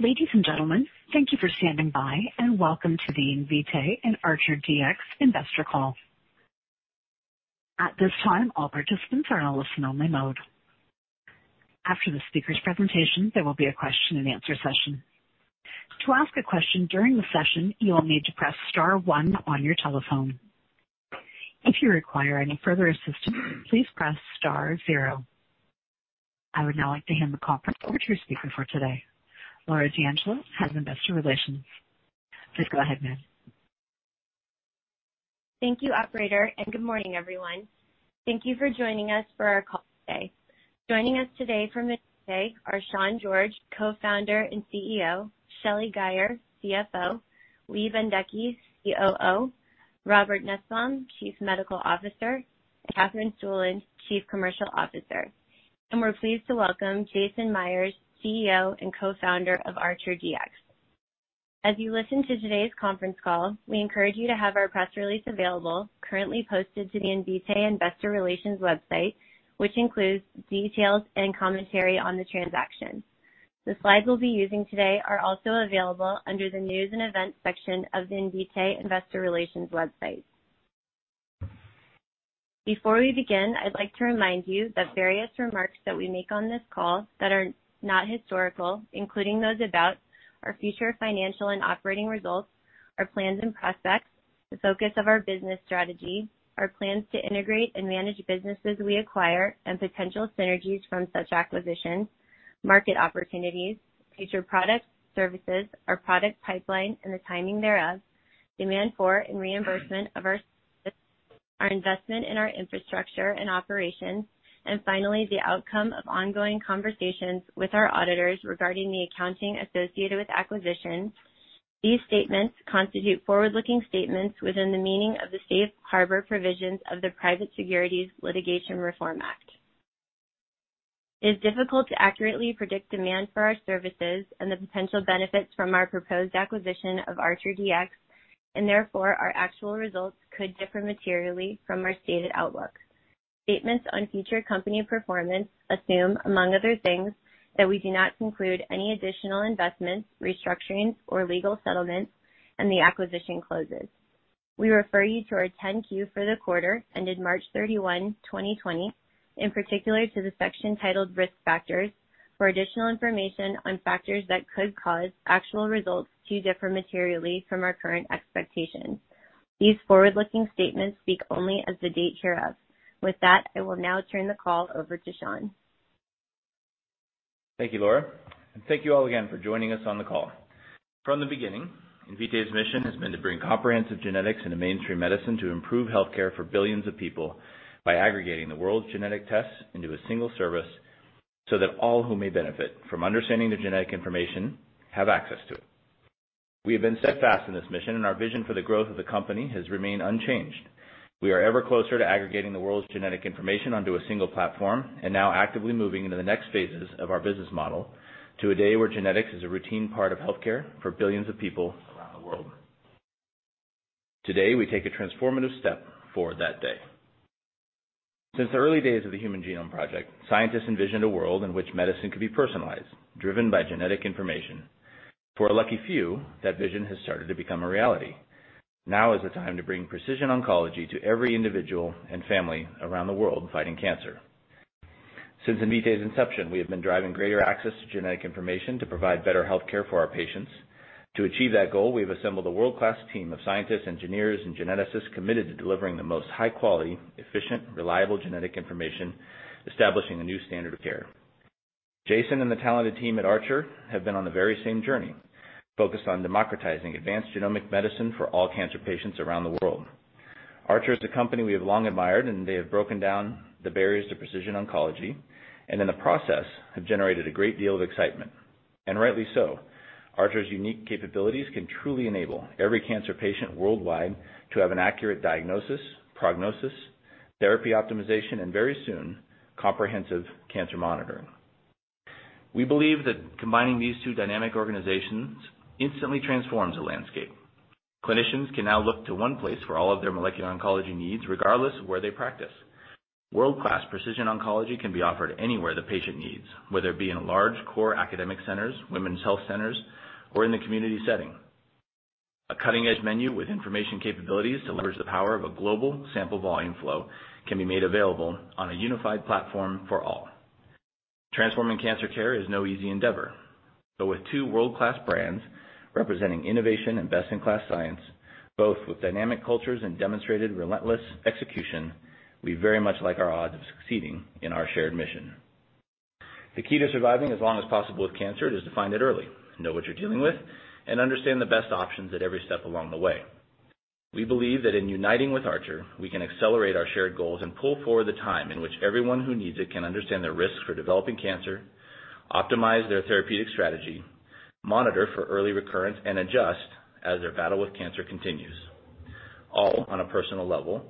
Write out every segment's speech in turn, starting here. Ladies and gentlemen, thank you for standing by, and welcome to the Invitae and ArcherDX investor call. At this time, all participants are in a listen-only mode. After the speaker's presentation, there will be a question and answer session. To ask a question during the session, you'll need to press star one on your telephone. If you require any further assistance, please press star zero. I would now like to hand the conference over to your speaker for today, Laura D'Angelo, head of investor relations. Please go ahead, ma'am. Thank you, operator, and good morning, everyone. Thank you for joining us for our call today. Joining us today from Invitae are Sean George, Co-Founder and CEO, Shelly Guyer, CFO, Lee Bendekgey, COO, Robert Nussbaum, Chief Medical Officer, and Katherine Stueland, Chief Commercial Officer. We're pleased to welcome Jason Myers, CEO and Co-Founder of ArcherDX. As you listen to today's conference call, we encourage you to have our press release available, currently posted to the Invitae investor relations website, which includes details and commentary on the transaction. The slides we'll be using today are also available under the News and Events section of the Invitae investor relations website. Before we begin, I'd like to remind you that various remarks that we make on this call that are not historical, including those about our future financial and operating results, our plans and prospects, the focus of our business strategy, our plans to integrate and manage businesses we acquire, and potential synergies from such acquisitions, market opportunities, future products, services, our product pipeline, and the timing thereof, demand for and reimbursement of our services, our investment in our infrastructure and operations, and finally, the outcome of ongoing conversations with our auditors regarding the accounting associated with acquisitions. These statements constitute forward-looking statements within the meaning of the Safe Harbor provisions of the Private Securities Litigation Reform Act. It is difficult to accurately predict demand for our services and the potential benefits from our proposed acquisition of ArcherDX, and therefore, our actual results could differ materially from our stated outlook. Statements on future company performance assume, among other things, that we do not conclude any additional investments, restructurings, or legal settlements, and the acquisition closes. We refer you to our 10-Q for the quarter ended March 31, 2020, in particular to the section titled Risk Factors, for additional information on factors that could cause actual results to differ materially from our current expectations. These forward-looking statements speak only as the date hereof. With that, I will now turn the call over to Sean. Thank you, Laura, and thank you all again for joining us on the call. From the beginning, Invitae's mission has been to bring comprehensive genetics into mainstream medicine to improve healthcare for billions of people by aggregating the world's genetic tests into a single service so that all who may benefit from understanding their genetic information have access to it. We have been steadfast in this mission, and our vision for the growth of the company has remained unchanged. We are ever closer to aggregating the world's genetic information onto a single platform and now actively moving into the next phases of our business model to a day where genetics is a routine part of healthcare for billions of people around the world. Today, we take a transformative step for that day. Since the early days of the Human Genome Project, scientists envisioned a world in which medicine could be personalized, driven by genetic information. For a lucky few, that vision has started to become a reality. Now is the time to bring precision oncology to every individual and family around the world fighting cancer. Since Invitae's inception, we have been driving greater access to genetic information to provide better healthcare for our patients. To achieve that goal, we've assembled a world-class team of scientists, engineers, and geneticists committed to delivering the most high-quality, efficient, reliable genetic information, establishing a new standard of care. Jason and the talented team at Archer have been on the very same journey, focused on democratizing advanced genomic medicine for all cancer patients around the world. Archer is a company we have long admired, and they have broken down the barriers to precision oncology, and in the process, have generated a great deal of excitement. Rightly so. Archer's unique capabilities can truly enable every cancer patient worldwide to have an accurate diagnosis, prognosis, therapy optimization, and very soon, comprehensive cancer monitoring. We believe that combining these two dynamic organizations instantly transforms the landscape. Clinicians can now look to one place for all of their molecular oncology needs, regardless of where they practice. World-class precision oncology can be offered anywhere the patient needs, whether it be in large core academic centers, women's health centers, or in the community setting. A cutting-edge menu with information capabilities to leverage the power of a global sample volume flow can be made available on a unified platform for all. Transforming cancer care is no easy endeavor. With two world-class brands representing innovation and best-in-class science, both with dynamic cultures and demonstrated relentless execution, we very much like our odds of succeeding in our shared mission. The key to surviving as long as possible with cancer is to find it early, know what you're dealing with, and understand the best options at every step along the way. We believe that in uniting with Archer, we can accelerate our shared goals and pull forward the time in which everyone who needs it can understand their risk for developing cancer, optimize their therapeutic strategy, monitor for early recurrence, and adjust as their battle with cancer continues, all on a personal level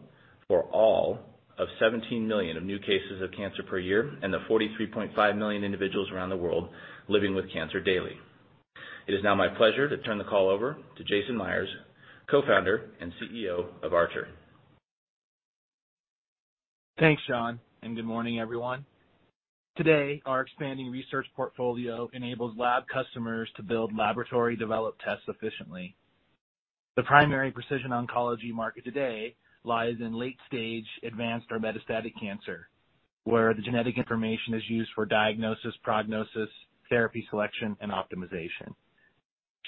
for all of 17 million of new cases of cancer per year and the 43.5 million individuals around the world living with cancer daily. It is now my pleasure to turn the call over to Jason Myers, Co-Founder and CEO of Archer. Thanks, Sean, and good morning, everyone. Today, our expanding research portfolio enables lab customers to build Laboratory Developed Tests efficiently. The primary precision oncology market today lies in late stage advanced or metastatic cancer, where the genetic information is used for diagnosis, prognosis, therapy selection, and optimization.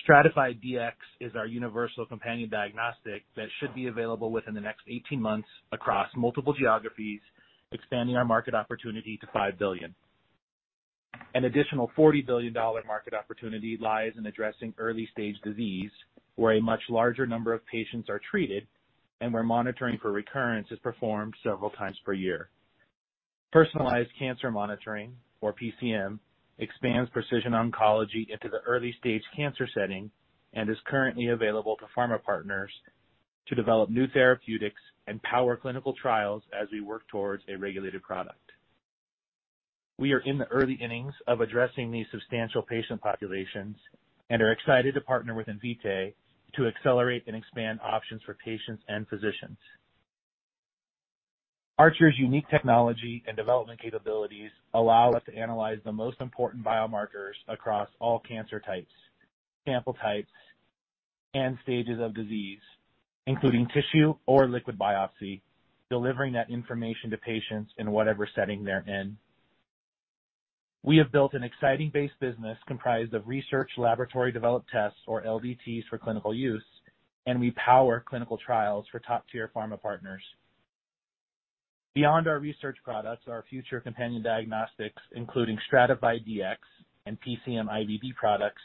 STRATAFIDE is our universal companion diagnostic that should be available within the next 18 months across multiple geographies, expanding our market opportunity to $5 billion. An additional $40 billion market opportunity lies in addressing early-stage disease, where a much larger number of patients are treated and where monitoring for recurrence is performed several times per year. Personalized Cancer Monitoring, or PCM, expands precision oncology into the early-stage cancer setting and is currently available to pharma partners to develop new therapeutics and power clinical trials as we work towards a regulated product. We are in the early innings of addressing these substantial patient populations and are excited to partner with Invitae to accelerate and expand options for patients and physicians. Archer's unique technology and development capabilities allow us to analyze the most important biomarkers across all cancer types, sample types, and stages of disease, including tissue or liquid biopsy, delivering that information to patients in whatever setting they're in. We have built an exciting base business comprised of research laboratory developed tests, or LDTs, for clinical use, and we power clinical trials for top-tier pharma partners. Beyond our research products, our future companion diagnostics, including STRATAFIDE and PCM IVD products,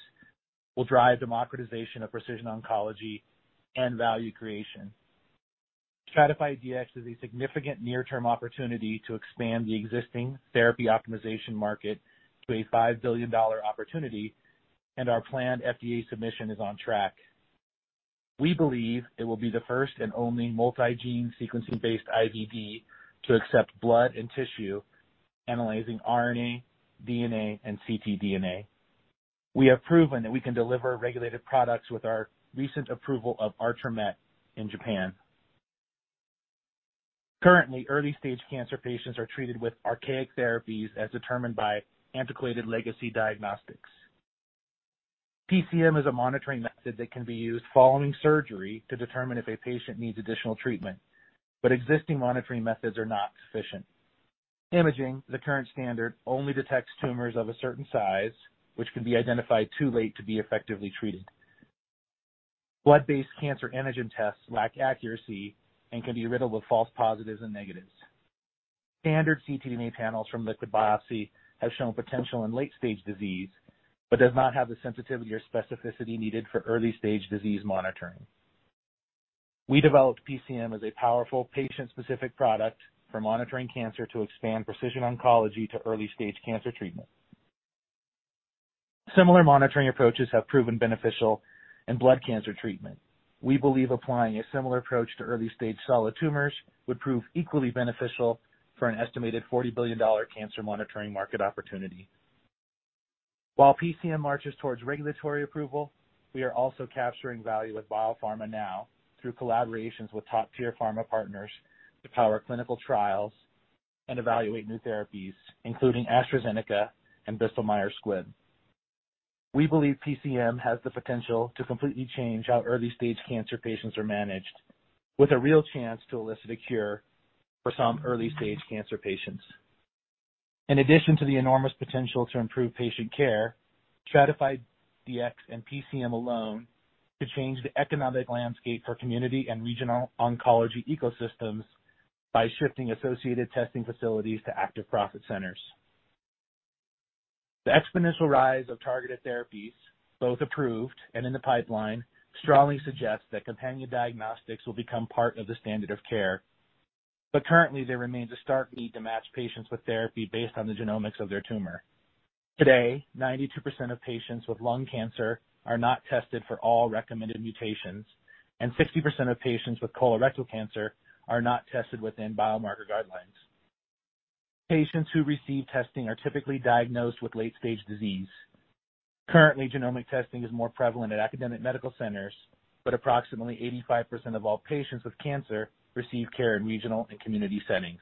will drive democratization of precision oncology and value creation. STRATAFIDE is a significant near-term opportunity to expand the existing therapy optimization market to a $5 billion opportunity. Our planned FDA submission is on track. We believe it will be the first and only multi-gene sequencing-based IVD to accept blood and tissue, analyzing RNA, DNA, and ctDNA. We have proven that we can deliver regulated products with our recent approval of ArcherMET in Japan. Currently, early-stage cancer patients are treated with archaic therapies as determined by antiquated legacy diagnostics. PCM is a monitoring method that can be used following surgery to determine if a patient needs additional treatment. Existing monitoring methods are not sufficient. Imaging, the current standard, only detects tumors of a certain size, which can be identified too late to be effectively treated. Blood-based cancer antigen tests lack accuracy and can be riddled with false positives and negatives. Standard ctDNA panels from liquid biopsy have shown potential in late-stage disease. Does not have the sensitivity or specificity needed for early-stage disease monitoring. We developed PCM as a powerful patient-specific product for monitoring cancer to expand precision oncology to early-stage cancer treatment. Similar monitoring approaches have proven beneficial in blood cancer treatment. We believe applying a similar approach to early-stage solid tumors would prove equally beneficial for an estimated $40 billion cancer monitoring market opportunity. While PCM marches towards regulatory approval, we are also capturing value with biopharma now through collaborations with top-tier pharma partners to power clinical trials and evaluate new therapies, including AstraZeneca and Bristol Myers Squibb. We believe PCM has the potential to completely change how early-stage cancer patients are managed, with a real chance to elicit a cure for some early-stage cancer patients. In addition to the enormous potential to improve patient care, STRATAFIDE and PCM alone could change the economic landscape for community and regional oncology ecosystems by shifting associated testing facilities to active profit centers. The exponential rise of targeted therapies, both approved and in the pipeline, strongly suggests that companion diagnostics will become part of the standard of care. Currently, there remains a stark need to match patients with therapy based on the genomics of their tumor. Today, 92% of patients with lung cancer are not tested for all recommended mutations, and 60% of patients with colorectal cancer are not tested within biomarker guidelines. Patients who receive testing are typically diagnosed with late-stage disease. Currently, genomic testing is more prevalent at academic medical centers, but approximately 85% of all patients with cancer receive care in regional and community settings.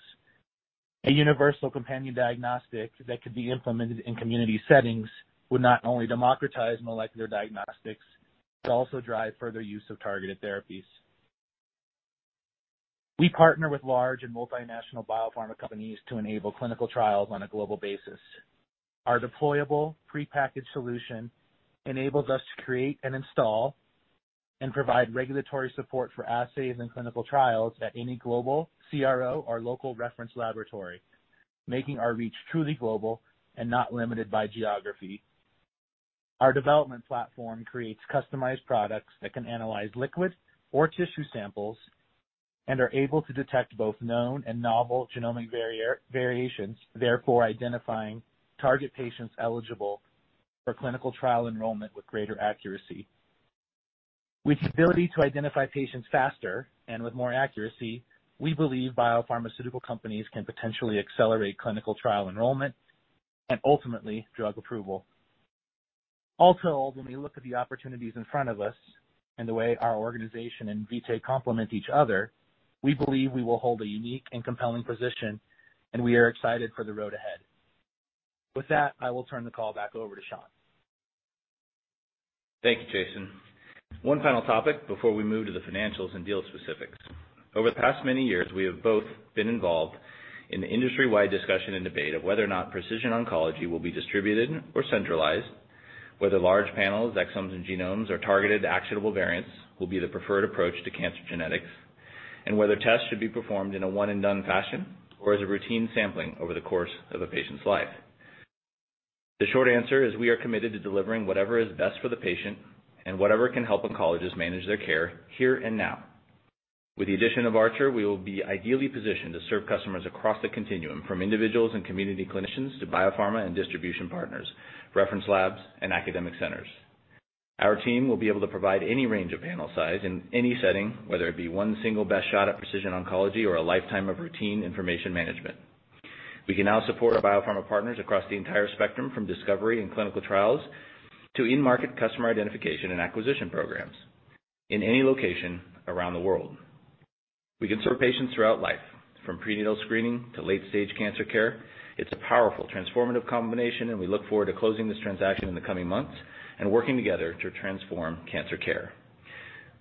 A universal companion diagnostic that could be implemented in community settings would not only democratize molecular diagnostics, but also drive further use of targeted therapies. We partner with large and multinational biopharma companies to enable clinical trials on a global basis. Our deployable prepackaged solution enables us to create and install and provide regulatory support for assays and clinical trials at any global CRO or local reference laboratory, making our reach truly global and not limited by geography. Our development platform creates customized products that can analyze liquid or tissue samples and are able to detect both known and novel genomic variations, therefore identifying target patients eligible for clinical trial enrollment with greater accuracy. With the ability to identify patients faster and with more accuracy, we believe biopharmaceutical companies can potentially accelerate clinical trial enrollment and ultimately drug approval. Also, when we look at the opportunities in front of us and the way our organization and Invitae complement each other, we believe we will hold a unique and compelling position, and we are excited for the road ahead. With that, I will turn the call back over to Sean. Thank you, Jason. One final topic before we move to the financials and deal specifics. Over the past many years, we have both been involved in the industry-wide discussion and debate of whether or not precision oncology will be distributed or centralized, whether large panels, exomes, and genomes or targeted actionable variants will be the preferred approach to cancer genetics, and whether tests should be performed in a one-and-done fashion or as a routine sampling over the course of a patient's life. The short answer is we are committed to delivering whatever is best for the patient and whatever can help oncologists manage their care here and now. With the addition of Archer, we will be ideally positioned to serve customers across the continuum, from individuals and community clinicians to biopharma and distribution partners, reference labs, and academic centers. Our team will be able to provide any range of panel size in any setting, whether it be one single best shot at precision oncology or a lifetime of routine information management. We can now support our biopharma partners across the entire spectrum, from discovery and clinical trials to in-market customer identification and acquisition programs in any location around the world. We can serve patients throughout life, from prenatal screening to late-stage cancer care. It's a powerful transformative combination. We look forward to closing this transaction in the coming months and working together to transform cancer care.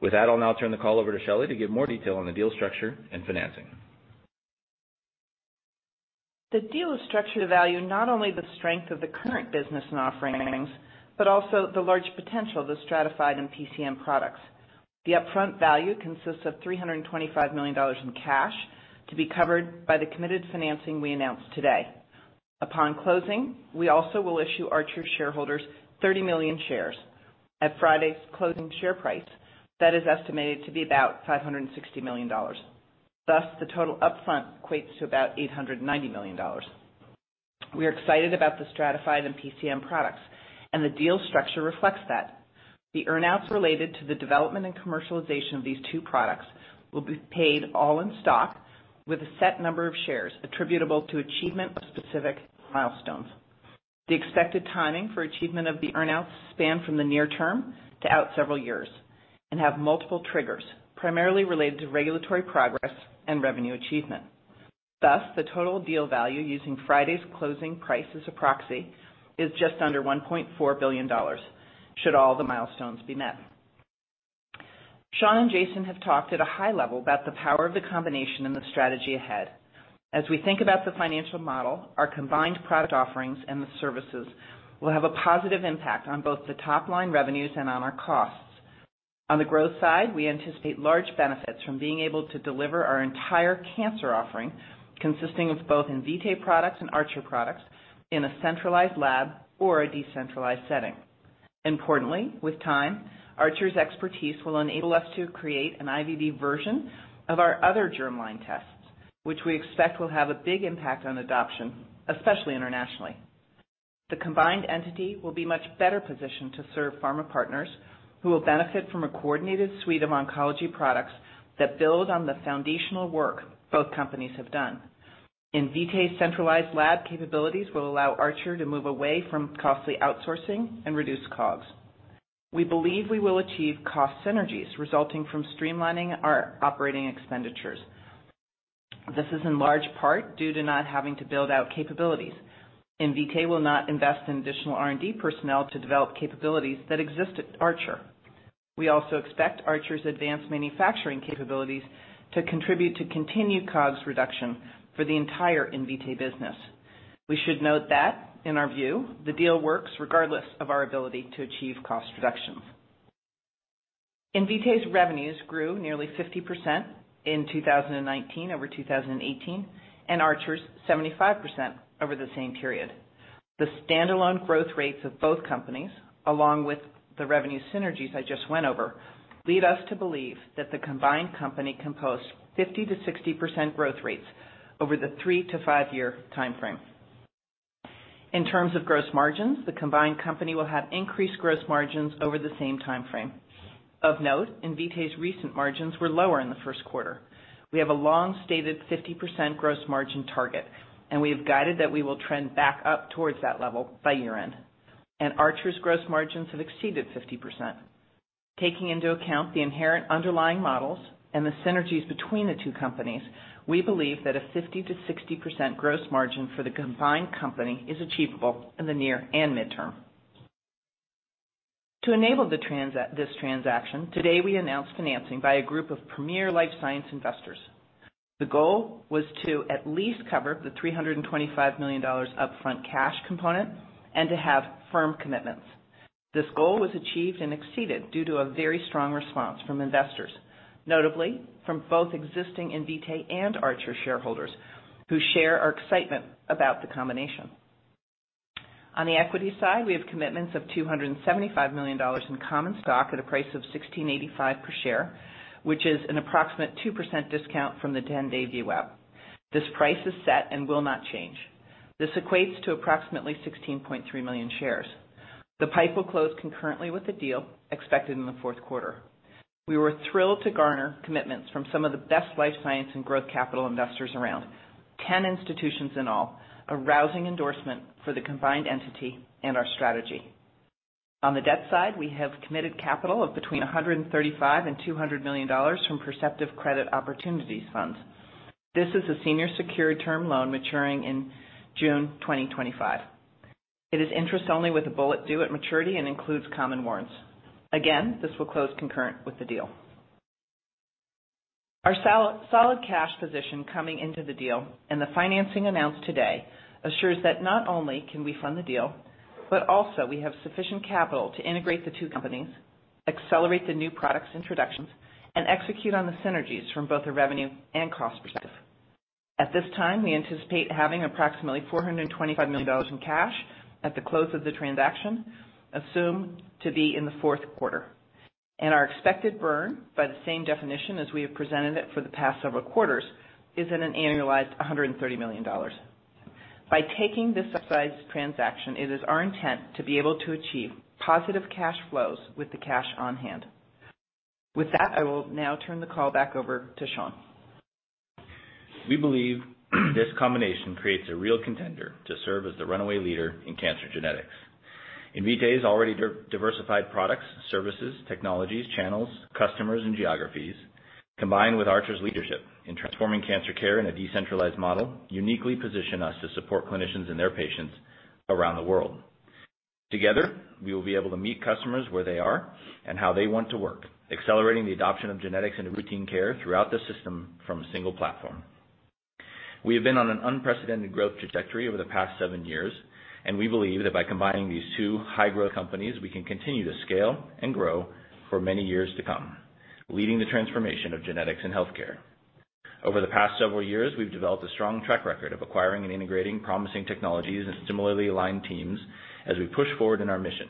With that, I'll now turn the call over to Shelly to give more detail on the deal structure and financing. The deal is structured to value not only the strength of the current business and offerings, but also the large potential of the STRATAFIDE and PCM products. The upfront value consists of $325 million in cash to be covered by the committed financing we announced today. Upon closing, we also will issue Archer shareholders 30 million shares. At Friday's closing share price, that is estimated to be about $560 million. The total upfront equates to about $890 million. We are excited about the STRATAFIDE and PCM products, and the deal structure reflects that. The earn-outs related to the development and commercialization of these two products will be paid all in stock with a set number of shares attributable to achievement of specific milestones. The expected timing for achievement of the earn-outs span from the near term to out several years and have multiple triggers, primarily related to regulatory progress and revenue achievement. The total deal value using Friday's closing price as a proxy is just under $1.4 billion should all the milestones be met. Sean and Jason have talked at a high level about the power of the combination and the strategy ahead. We think about the financial model, our combined product offerings and the services will have a positive impact on both the top-line revenues and on our costs. On the growth side, we anticipate large benefits from being able to deliver our entire cancer offering, consisting of both Invitae products and Archer products, in a centralized lab or a decentralized setting. Importantly, with time, Archer's expertise will enable us to create an IVD version of our other germline tests, which we expect will have a big impact on adoption, especially internationally. The combined entity will be much better positioned to serve pharma partners, who will benefit from a coordinated suite of oncology products that build on the foundational work both companies have done. Invitae's centralized lab capabilities will allow Archer to move away from costly outsourcing and reduce COGS. We believe we will achieve cost synergies resulting from streamlining our operating expenditures. This is in large part due to not having to build out capabilities. Invitae will not invest in additional R&D personnel to develop capabilities that exist at Archer. We also expect Archer's advanced manufacturing capabilities to contribute to continued COGS reduction for the entire Invitae business. We should note that in our view, the deal works regardless of our ability to achieve cost reductions. Invitae's revenues grew nearly 50% in 2019 over 2018, and Archer's 75% over the same period. The standalone growth rates of both companies, along with the revenue synergies I just went over, lead us to believe that the combined company can post 50%-60% growth rates over the three to five-year timeframe. In terms of gross margins, the combined company will have increased gross margins over the same timeframe. Of note, Invitae's recent margins were lower in the first quarter. We have a long-stated 50% gross margin target, and we have guided that we will trend back up towards that level by year-end. Archer's gross margins have exceeded 50%. Taking into account the inherent underlying models and the synergies between the two companies, we believe that a 50%-60% gross margin for the combined company is achievable in the near and midterm. To enable this transaction, today, we announced financing by a group of premier life science investors. The goal was to at least cover the $325 million upfront cash component and to have firm commitments. This goal was achieved and exceeded due to a very strong response from investors, notably from both existing Invitae and Archer shareholders who share our excitement about the combination. On the equity side, we have commitments of $275 million in common stock at a price of $16.85 per share, which is an approximate 2% discount from the 10-day VWAP. This price is set and will not change. This equates to approximately 16.3 million shares. The PIPE will close concurrently with the deal expected in the fourth quarter. We were thrilled to garner commitments from some of the best life science and growth capital investors around, 10 institutions in all, a rousing endorsement for the combined entity and our strategy. On the debt side, we have committed capital of between $135 million and $200 million from Perceptive Credit Opportunities funds. This is a senior secured term loan maturing in June 2025. It is interest only with a bullet due at maturity and includes common warrants. Again, this will close concurrent with the deal. Our solid cash position coming into the deal and the financing announced today assures that not only can we fund the deal, but also we have sufficient capital to integrate the two companies, accelerate the new products introductions, and execute on the synergies from both a revenue and cost perspective. At this time, we anticipate having approximately $425 million in cash at the close of the transaction, assumed to be in the fourth quarter. Our expected burn, by the same definition as we have presented it for the past several quarters, is at an annualized $130 million. By taking this size transaction, it is our intent to be able to achieve positive cash flows with the cash on hand. With that, I will now turn the call back over to Sean. We believe this combination creates a real contender to serve as the runaway leader in cancer genetics. Invitae's already diversified products, services, technologies, channels, customers, and geographies, combined with Archer's leadership in transforming cancer care in a decentralized model, uniquely position us to support clinicians and their patients around the world. Together, we will be able to meet customers where they are and how they want to work, accelerating the adoption of genetics into routine care throughout the system from a single platform. We have been on an unprecedented growth trajectory over the past seven years, and we believe that by combining these two high-growth companies, we can continue to scale and grow for many years to come, leading the transformation of genetics in healthcare. Over the past several years, we've developed a strong track record of acquiring and integrating promising technologies and similarly aligned teams as we push forward in our mission.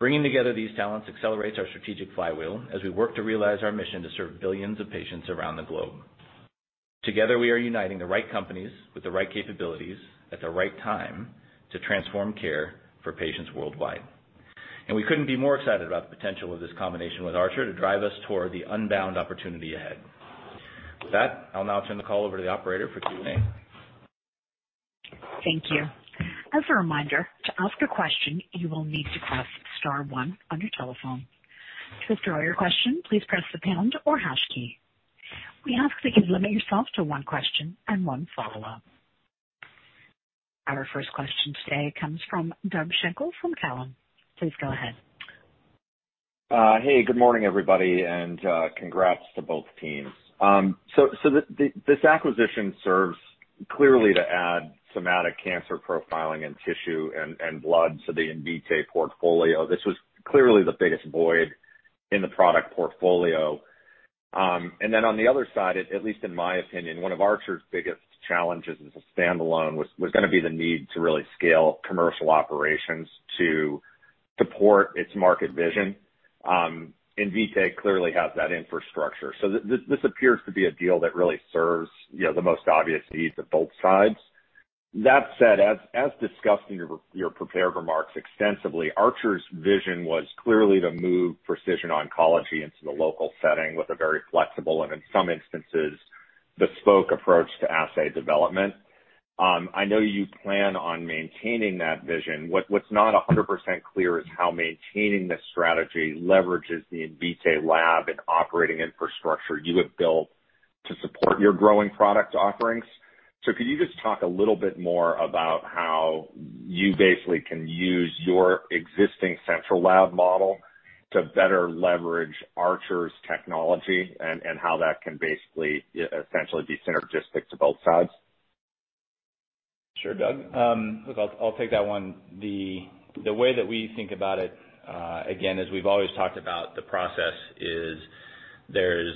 Bringing together these talents accelerates our strategic flywheel as we work to realize our mission to serve billions of patients around the globe. Together, we are uniting the right companies with the right capabilities at the right time to transform care for patients worldwide. We couldn't be more excited about the potential of this combination with Archer to drive us toward the unbound opportunity ahead. With that, I'll now turn the call over to the operator for Q&A. Thank you. As a reminder, to ask a question, you will need to press star one on your telephone. To withdraw your question, please press the pound or hash key. We ask that you limit yourself to one question and one follow-up. Our first question today comes from Doug Schenkel from Cowen. Please go ahead. Good morning, everybody, congrats to both teams. This acquisition serves clearly to add somatic cancer profiling and tissue and blood to the Invitae portfolio. This was clearly the biggest void in the product portfolio. On the other side, at least in my opinion, one of Archer's biggest challenges as a standalone was going to be the need to really scale commercial operations to support its market vision. Invitae clearly has that infrastructure. This appears to be a deal that really serves the most obvious needs of both sides. That said, as discussed in your prepared remarks extensively, Archer's vision was clearly to move precision oncology into the local setting with a very flexible and, in some instances, bespoke approach to assay development. I know you plan on maintaining that vision. What's not 100% clear is how maintaining this strategy leverages the Invitae lab and operating infrastructure you have built to support your growing product offerings. Could you just talk a little bit more about how you basically can use your existing central lab model to better leverage Archer's technology and how that can basically, essentially, be synergistic to both sides? Sure, Doug. I'll take that one. The way that we think about it, again, as we've always talked about the process, is there's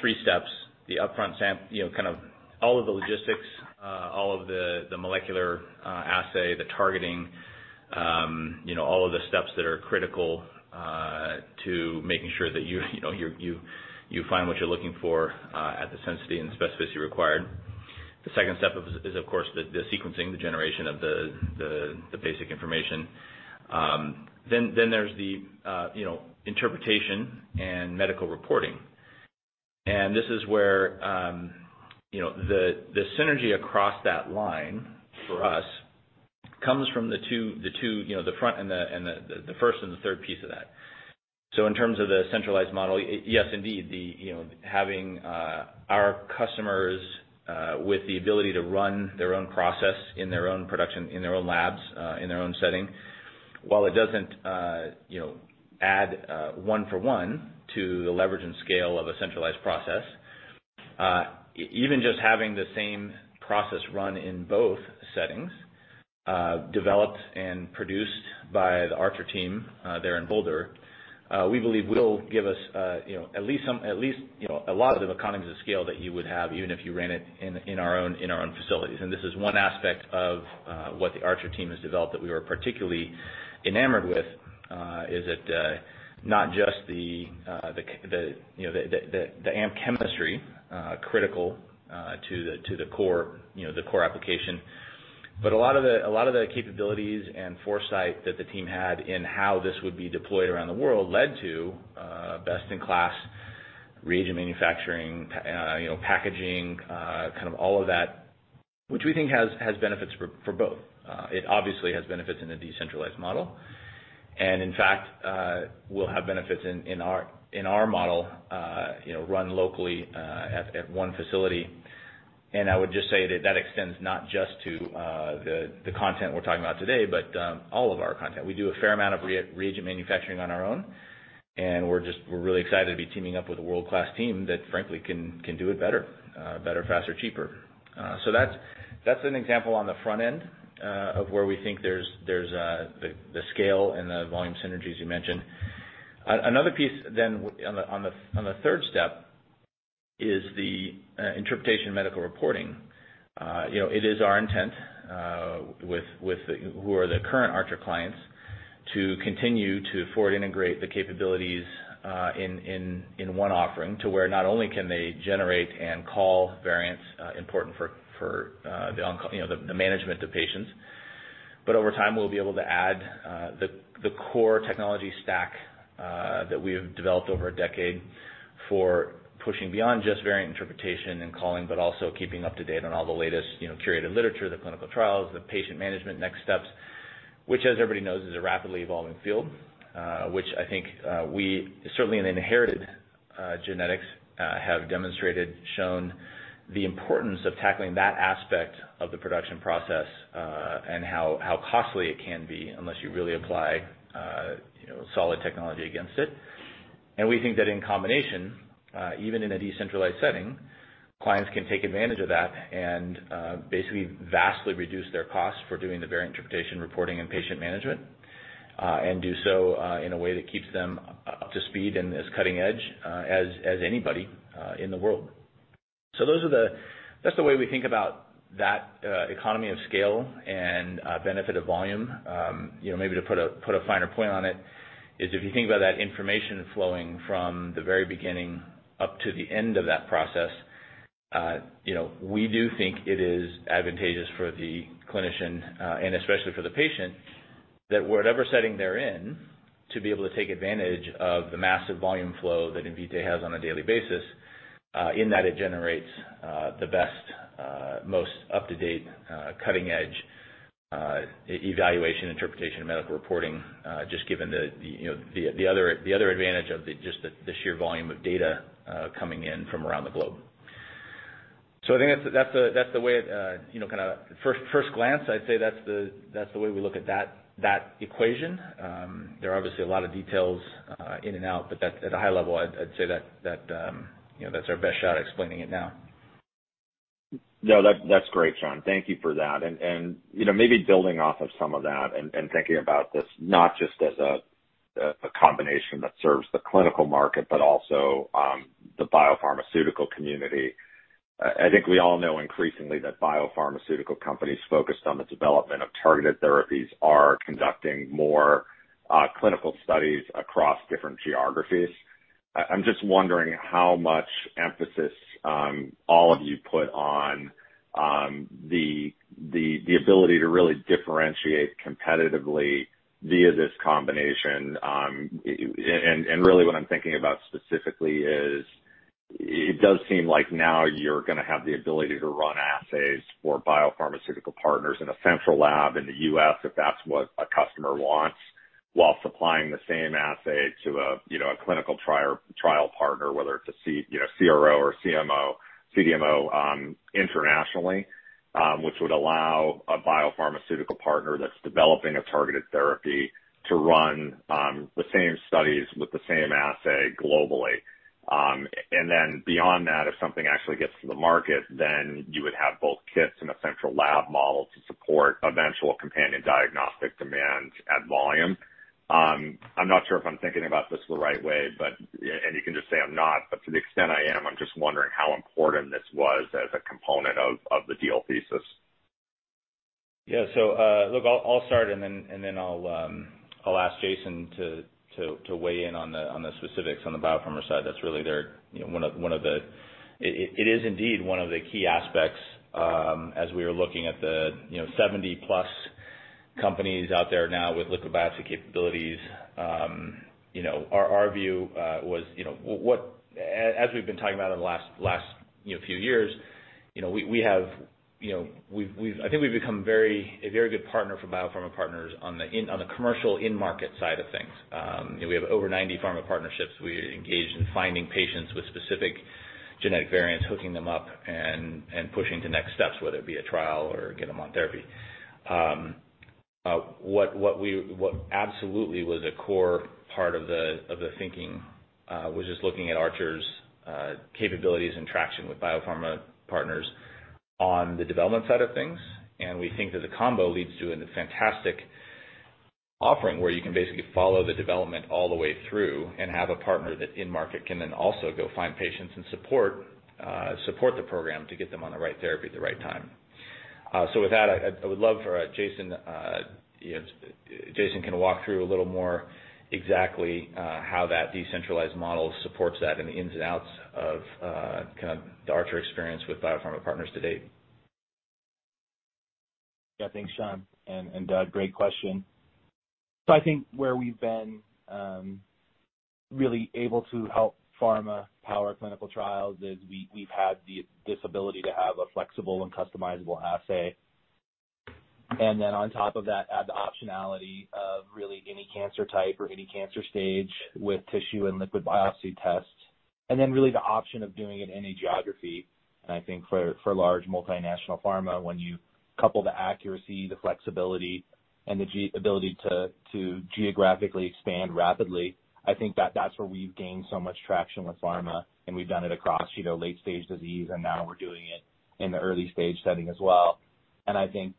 three steps. The upfront sample, kind of all of the logistics, all of the molecular assay, the targeting, all of the steps that are critical to making sure that you find what you're looking for at the sensitivity and specificity required. The second step is, of course, the sequencing, the generation of the basic information. There's the interpretation and medical reporting. This is where the synergy across that line for us comes from the two, the front and the first and the third piece of that. In terms of the centralized model, yes, indeed, having our customers with the ability to run their own process in their own production, in their own labs, in their own setting, while it doesn't add one for one to the leverage and scale of a centralized process, even just having the same process run in both settings, developed and produced by the Archer team there in Boulder, we believe will give us a lot of the economies of scale that you would have even if you ran it in our own facilities. This is one aspect of what the Archer team has developed that we were particularly enamored with, is that not just the AMP chemistry critical to the core application but a lot of the capabilities and foresight that the team had in how this would be deployed around the world led to best-in-class reagent manufacturing, packaging, all of that, which we think has benefits for both. It obviously has benefits in a decentralized model. In fact, will have benefits in our model, run locally at one facility. I would just say that extends not just to the content we're talking about today, but all of our content. We do a fair amount of reagent manufacturing on our own, and we're really excited to be teaming up with a world-class team that frankly can do it better, faster, cheaper. That's an example on the front end of where we think there's the scale and the volume synergies you mentioned. Another piece on the third step is the interpretation medical reporting. It is our intent, who are the current Archer clients, to continue to forward integrate the capabilities in one offering to where not only can they generate and call variants important for the management of patients, but over time, we'll be able to add the core technology stack that we have developed over a decade for pushing beyond just variant interpretation and calling, but also keeping up to date on all the latest curated literature, the clinical trials, the patient management next steps, which as everybody knows, is a rapidly evolving field. Which I think we certainly in inherited genetics have demonstrated, shown the importance of tackling that aspect of the production process, and how costly it can be unless you really apply solid technology against it. We think that in combination, even in a decentralized setting, clients can take advantage of that and basically vastly reduce their cost for doing the variant interpretation reporting and patient management, and do so in a way that keeps them up to speed and as cutting edge as anybody in the world. That's the way we think about that economy of scale and benefit of volume. Maybe to put a finer point on it, is if you think about that information flowing from the very beginning up to the end of that process, we do think it is advantageous for the clinician, and especially for the patient, that whatever setting they're in, to be able to take advantage of the massive volume flow that Invitae has on a daily basis, in that it generates the best, most up-to-date, cutting edge, evaluation, interpretation, and medical reporting, just given the other advantage of just the sheer volume of data coming in from around the globe. I think that's the way at first glance, I'd say that's the way we look at that equation. There are obviously a lot of details in and out, at a high level, I'd say that's our best shot at explaining it now. That's great, Sean. Thank you for that. Maybe building off of some of that and thinking about this not just as a combination that serves the clinical market, but also the biopharmaceutical community. I think we all know increasingly that biopharmaceutical companies focused on the development of targeted therapies are conducting more clinical studies across different geographies. I'm just wondering how much emphasis all of you put on the ability to really differentiate competitively via this combination. Really what I'm thinking about specifically is, it does seem like now you're going to have the ability to run assays for biopharmaceutical partners in a central lab in the U.S., if that's what a customer wants, while supplying the same assay to a clinical trial partner, whether it's a CRO or CMO, CDMO internationally. Which would allow a biopharmaceutical partner that's developing a targeted therapy to run the same studies with the same assay globally. Beyond that, if something actually gets to the market, then you would have both kits and a central lab model to support eventual companion diagnostic demand at volume. I'm not sure if I'm thinking about this the right way, and you can just say I'm not, but to the extent I am, I'm just wondering how important this was as a component of the deal thesis. Yeah. Look, I'll start and then I'll ask Jason to weigh in on the specifics on the biopharma side. It is indeed one of the key aspects as we are looking at the 70 plus companies out there now with liquid biopsy capabilities. Our view was, as we've been talking about in the last few years, I think we've become a very good partner for biopharma partners on the commercial in-market side of things. We have over 90 pharma partnerships. We engage in finding patients with specific genetic variants, hooking them up and pushing to next steps, whether it be a trial or get them on therapy. What absolutely was a core part of the thinking was just looking at Archer's capabilities and traction with biopharma partners on the development side of things. We think that the combo leads to a fantastic offering where you can basically follow the development all the way through and have a partner that in market can then also go find patients and support the program to get them on the right therapy at the right time. With that, I would love for Jason can walk through a little more exactly how that decentralized model supports that and the ins and outs of the Archer experience with biopharma partners to date. Yeah, thanks, Sean and Doug. Great question. I think where we've been really able to help pharma power clinical trials is we've had this ability to have a flexible and customizable assay. On top of that, add the optionality of really any cancer type or any cancer stage with tissue and liquid biopsy tests, and then really the option of doing it in any geography. I think for large multinational pharma, when you couple the accuracy, the flexibility, and the ability to geographically expand rapidly, I think that's where we've gained so much traction with pharma, and we've done it across late-stage disease, and now we're doing it in the early-stage setting as well. I think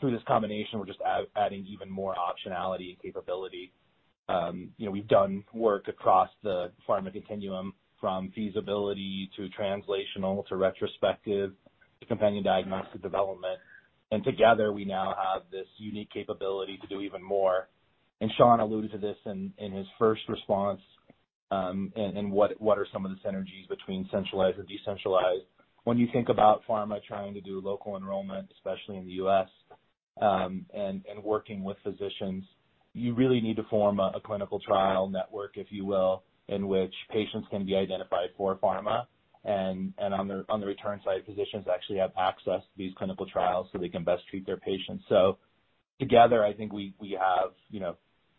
through this combination, we're just adding even more optionality and capability. We've done work across the pharma continuum from feasibility to translational to retrospective to companion diagnostic development. Together, we now have this unique capability to do even more. Sean alluded to this in his first response in what are some of the synergies between centralized or decentralized. When you think about pharma trying to do local enrollment, especially in the U.S., and working with physicians, you really need to form a clinical trial network, if you will, in which patients can be identified for pharma. On the return side, physicians actually have access to these clinical trials so they can best treat their patients. Together, I think we have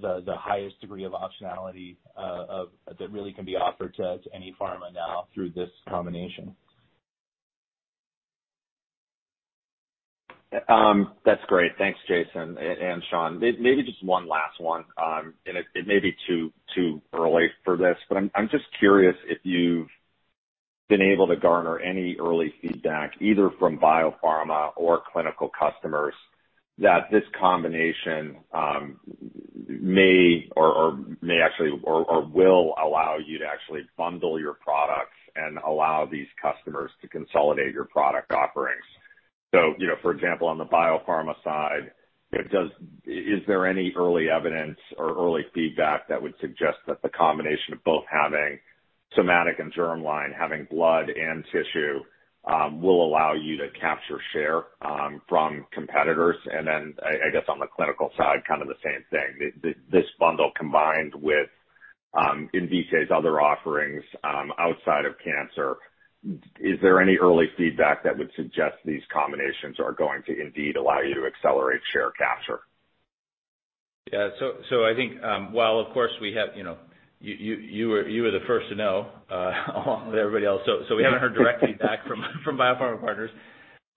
the highest degree of optionality that really can be offered to any pharma now through this combination. That's great. Thanks, Jason and Sean. Maybe just one last one, and it may be too early for this, but I'm just curious if you've been able to garner any early feedback, either from biopharma or clinical customers, that this combination may actually, or will allow you to actually bundle your products and allow these customers to consolidate your product offerings. For example, on the biopharma side, is there any early evidence or early feedback that would suggest that the combination of both having somatic and germline, having blood and tissue, will allow you to capture share from competitors? Then, I guess, on the clinical side, kind of the same thing, this bundle combined with Invitae's other offerings outside of cancer, is there any early feedback that would suggest these combinations are going to indeed allow you to accelerate share capture? Yeah. I think, while, of course, you were the first to know, along with everybody else. We haven't heard direct feedback from biopharma partners.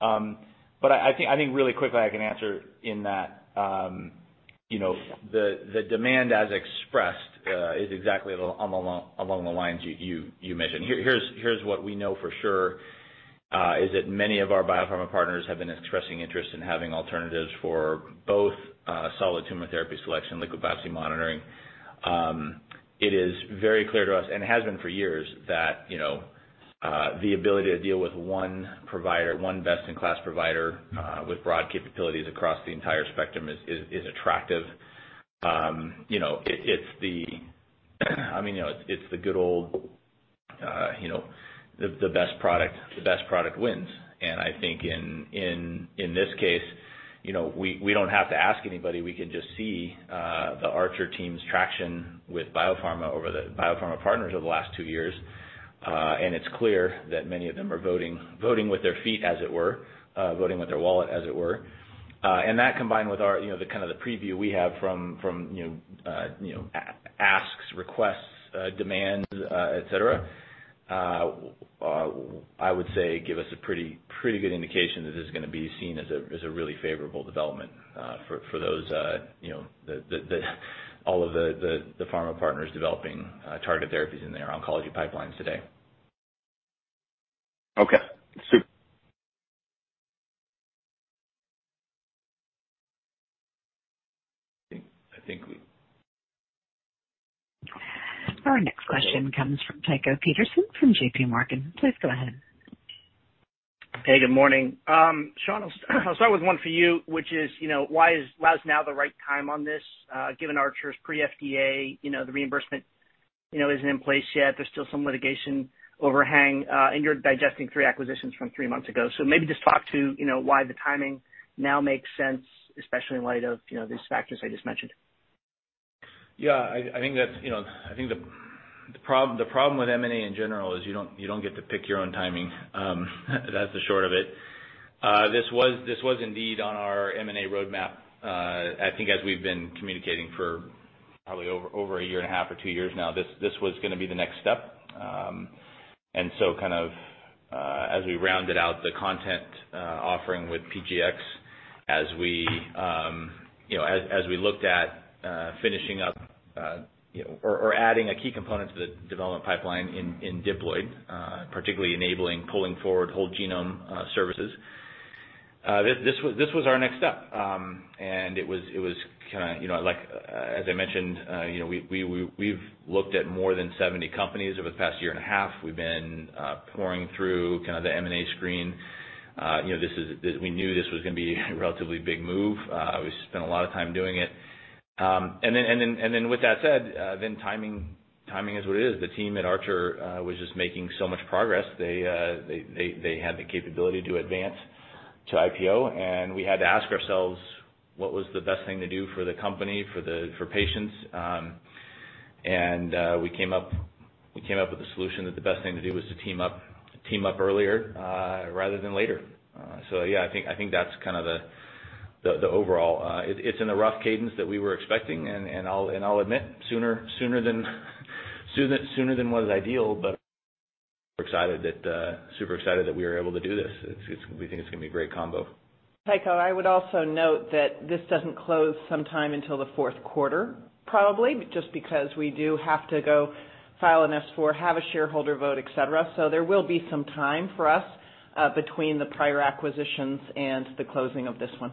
I think really quickly I can answer in that the demand as expressed is exactly along the lines you mentioned. Here's what we know for sure, is that many of our biopharma partners have been expressing interest in having alternatives for both solid tumor therapy selection, liquid biopsy monitoring. It is very clear to us, and has been for years, that the ability to deal with one best-in-class provider with broad capabilities across the entire spectrum is attractive. It's the good old, the best product wins. I think in this case, we don't have to ask anybody. We can just see the Archer team's traction with biopharma partners over the last two years, and it's clear that many of them are voting with their feet, as it were, voting with their wallet, as it were. That, combined with the preview we have from asks, requests, demands, et cetera, I would say give us a pretty good indication that this is going to be seen as a really favorable development for all of the pharma partners developing target therapies in their oncology pipelines today. Okay. Super. I think- Our next question comes from Tycho Peterson from JPMorgan. Please go ahead. Hey, good morning. Sean, I'll start with one for you, which is, why is now the right time on this? Given Archer's pre-FDA, the reimbursement isn't in place yet. There's still some litigation overhang, and you're digesting three acquisitions from three months ago. Maybe just talk to why the timing now makes sense, especially in light of these factors I just mentioned. Yeah. I think the problem with M&A, in general, is you don't get to pick your own timing. That's the short of it. This was indeed on our M&A roadmap. I think as we've been communicating for probably over a year and a half or two years now, this was going to be the next step. As we rounded out the content offering with PGx, as we looked at finishing up or adding a key component to the development pipeline in Diploid, particularly enabling pulling forward whole genome services, this was our next step. As I mentioned, we've looked at more than 70 companies over the past year and a half. We've been poring through the M&A screen. We knew this was going to be a relatively big move. We spent a lot of time doing it. With that said, timing is what it is. The team at Archer was just making so much progress. They had the capability to advance to IPO, and we had to ask ourselves what was the best thing to do for the company, for patients. We came up with a solution that the best thing to do was to team up earlier rather than later. Yeah, I think that's kind of the overall. It's in the rough cadence that we were expecting, and I'll admit, sooner than was ideal, but super excited that we were able to do this. We think it's going to be a great combo. Tycho, I would also note that this doesn't close sometime until the fourth quarter, probably, just because we do have to go file an S-4, have a shareholder vote, et cetera. There will be some time for us between the prior acquisitions and the closing of this one.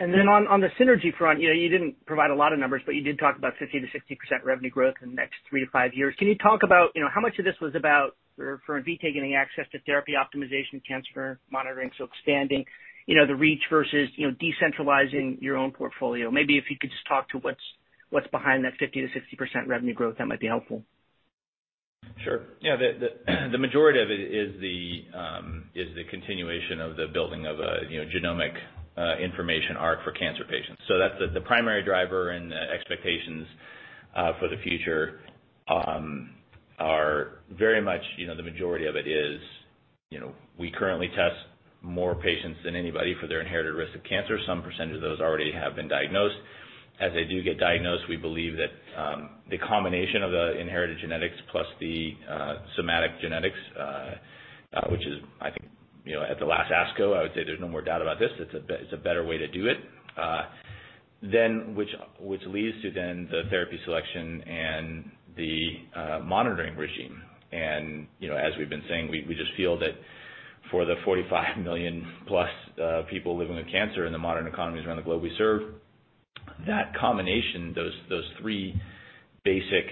On the synergy front, you didn't provide a lot of numbers, but you did talk about 50%-60% revenue growth in the next three to five years. Can you talk about how much of this was about for Invitae getting access to therapy optimization, cancer monitoring, so expanding the reach versus decentralizing your own portfolio? Maybe if you could just talk to what's behind that 50%-60% revenue growth, that might be helpful. Sure. Yeah. The majority of it is the continuation of the building of a genomic information arc for cancer patients. That's the primary driver, and the expectations for the future are very much, the majority of it is, we currently test more patients than anybody for their inherited risk of cancer. Some percentage of those already have been diagnosed. As they do get diagnosed, we believe that the combination of the inherited genetics plus the somatic genetics, which is, I think, at the last ASCO, I would say there's no more doubt about this, it's a better way to do it, which leads to then the therapy selection and the monitoring regime. As we've been saying, we just feel that for the 45 million+ people living with cancer in the modern economies around the globe we serve, that combination, those three basic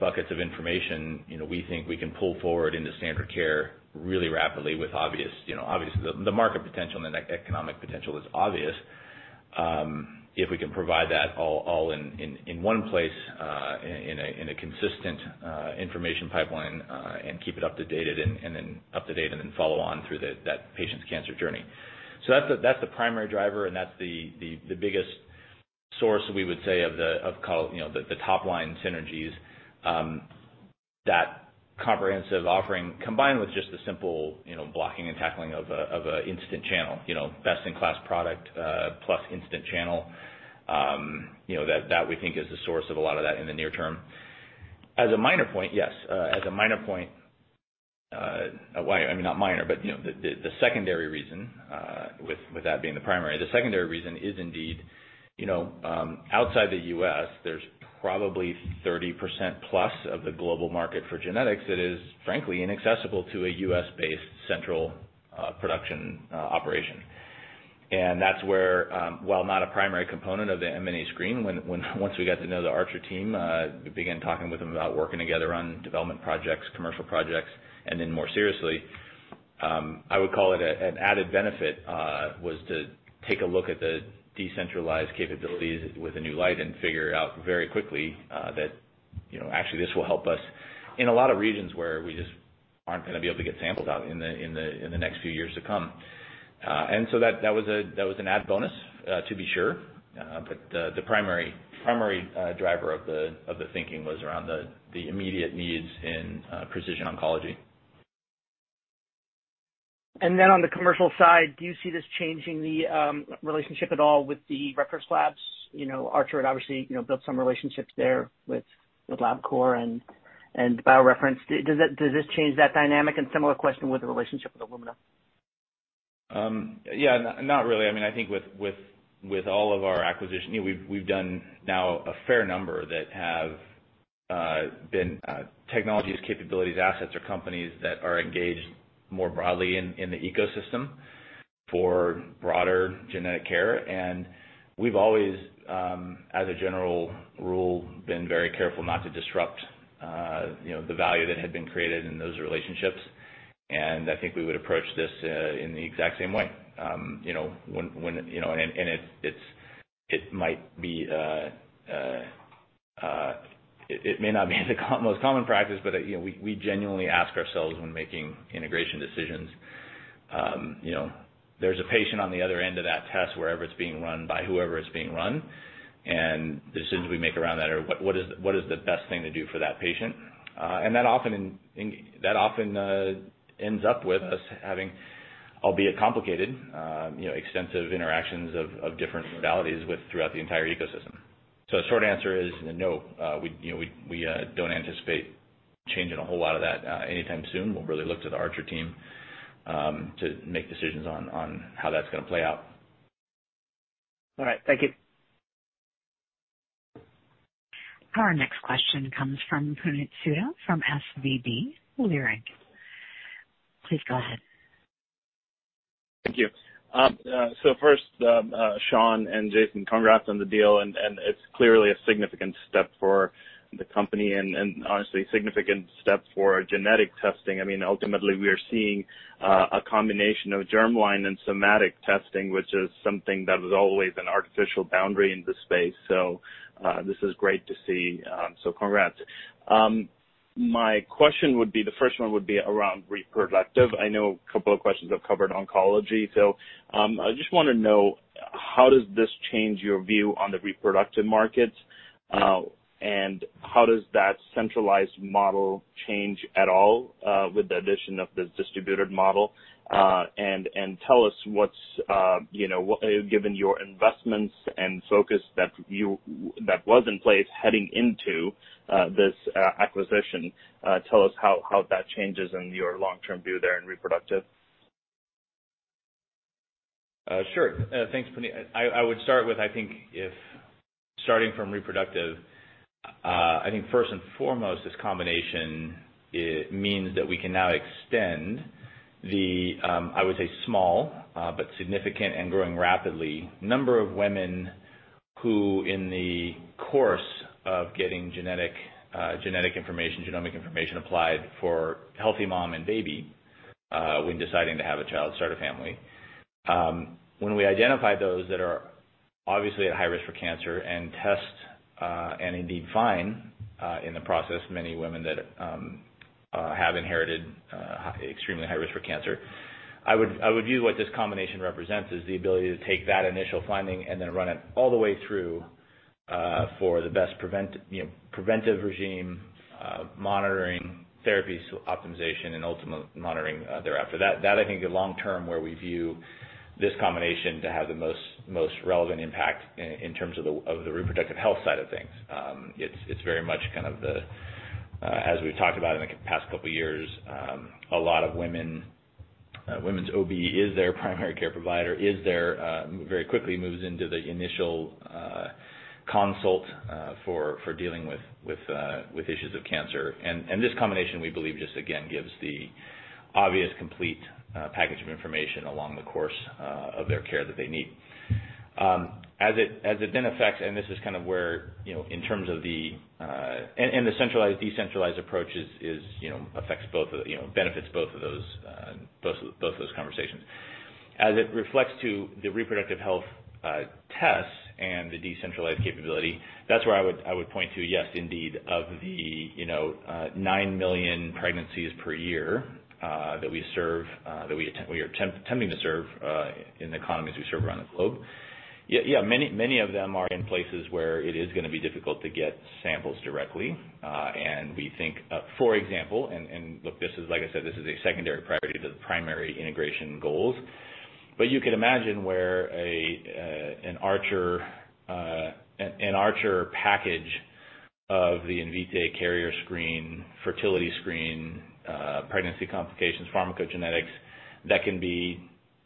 buckets of information, we think we can pull forward into standard care really rapidly with The market potential and the economic potential is obvious, if we can provide that all in one place, in a consistent information pipeline, and keep it up to date, and then follow on through that patient's cancer journey. That's the primary driver, and that's the biggest source, we would say, of the top-line synergies. That comprehensive offering, combined with just the simple blocking and tackling of an instant channel, best-in-class product plus instant channel, that we think is the source of a lot of that in the near term. As a minor point, yes. As a minor point, I mean, not minor, but the secondary reason, with that being the primary, the secondary reason is indeed, outside the U.S., there's probably 30% plus of the global market for genetics that is frankly inaccessible to a U.S.-based central production operation. That's where, while not a primary component of the M&A screen, once we got to know the Archer team, we began talking with them about working together on development projects, commercial projects, and then more seriously. I would call it an added benefit, was to take a look at the decentralized capabilities with a new light and figure out very quickly that actually this will help us in a lot of regions where we just aren't going to be able to get samples out in the next few years to come. So that was an added bonus, to be sure. The primary driver of the thinking was around the immediate needs in precision oncology. On the commercial side, do you see this changing the relationship at all with the reference labs? Archer had obviously built some relationships there with LabCorp and BioReference. Does this change that dynamic? Similar question with the relationship with Illumina. Yeah. Not really. I think with all of our acquisition, we've done now a fair number that have been technologies, capabilities, assets, or companies that are engaged more broadly in the ecosystem for broader genetic care. We've always, as a general rule, been very careful not to disrupt the value that had been created in those relationships, and I think we would approach this in the exact same way. It may not be the most common practice, but we genuinely ask ourselves when making integration decisions. There's a patient on the other end of that test, wherever it's being run by whoever it's being run, and the decisions we make around that are, what is the best thing to do for that patient? That often ends up with us having, albeit complicated, extensive interactions of different modalities throughout the entire ecosystem. Short answer is no, we don't anticipate changing a whole lot of that anytime soon. We'll really look to the Archer team to make decisions on how that's going to play out. All right. Thank you. Our next question comes from Puneet Souda from SVB Leerink. Please go ahead. Thank you. First, Sean and Jason, congrats on the deal, and it's clearly a significant step for The company and honestly, a significant step for genetic testing. Ultimately, we are seeing a combination of germline and somatic testing, which is something that was always an artificial boundary in this space. This is great to see, so congrats. My question, the first one would be around reproductive. I know a couple of questions have covered oncology. I just want to know, how does this change your view on the reproductive markets? How does that centralized model change at all with the addition of the distributed model? Tell us, given your investments and focus that was in place heading into this acquisition, tell us how that changes in your long-term view there in reproductive. Sure. Thanks, Puneet. I would start with, first and foremost, this combination, it means that we can now extend the, I would say small, but significant and growing rapidly, number of women who in the course of getting genetic information, genomic information applied for healthy mom and baby, when deciding to have a child, start a family. When we identify those that are obviously at high risk for cancer and test, and indeed find, in the process, many women that have inherited extremely high risk for cancer, I would view what this combination represents is the ability to take that initial finding and then run it all the way through, for the best preventive regime, monitoring therapies, optimization, and ultimate monitoring thereafter. I think long-term, where we view this combination to have the most relevant impact in terms of the reproductive health side of things. It's very much kind of the, as we've talked about in the past couple of years, a lot of women's OB is their primary care provider, very quickly moves into the initial consult, for dealing with issues of cancer. This combination, we believe, just again, gives the obvious complete package of information along the course of their care that they need. As it then affects, this is kind of where. The centralized, decentralized approach benefits both of those conversations. As it reflects to the reproductive health tests and the decentralized capability, that's where I would point to yes, indeed, of the 9 million pregnancies per year, that we are attempting to serve, in the economies we serve around the globe, many of them are in places where it is going to be difficult to get samples directly. We think, for example, and look, like I said, this is a secondary priority to the primary integration goals, but you could imagine where an Archer package of the Invitae carrier screen, fertility screen, pregnancy complications, pharmacogenetics, that can be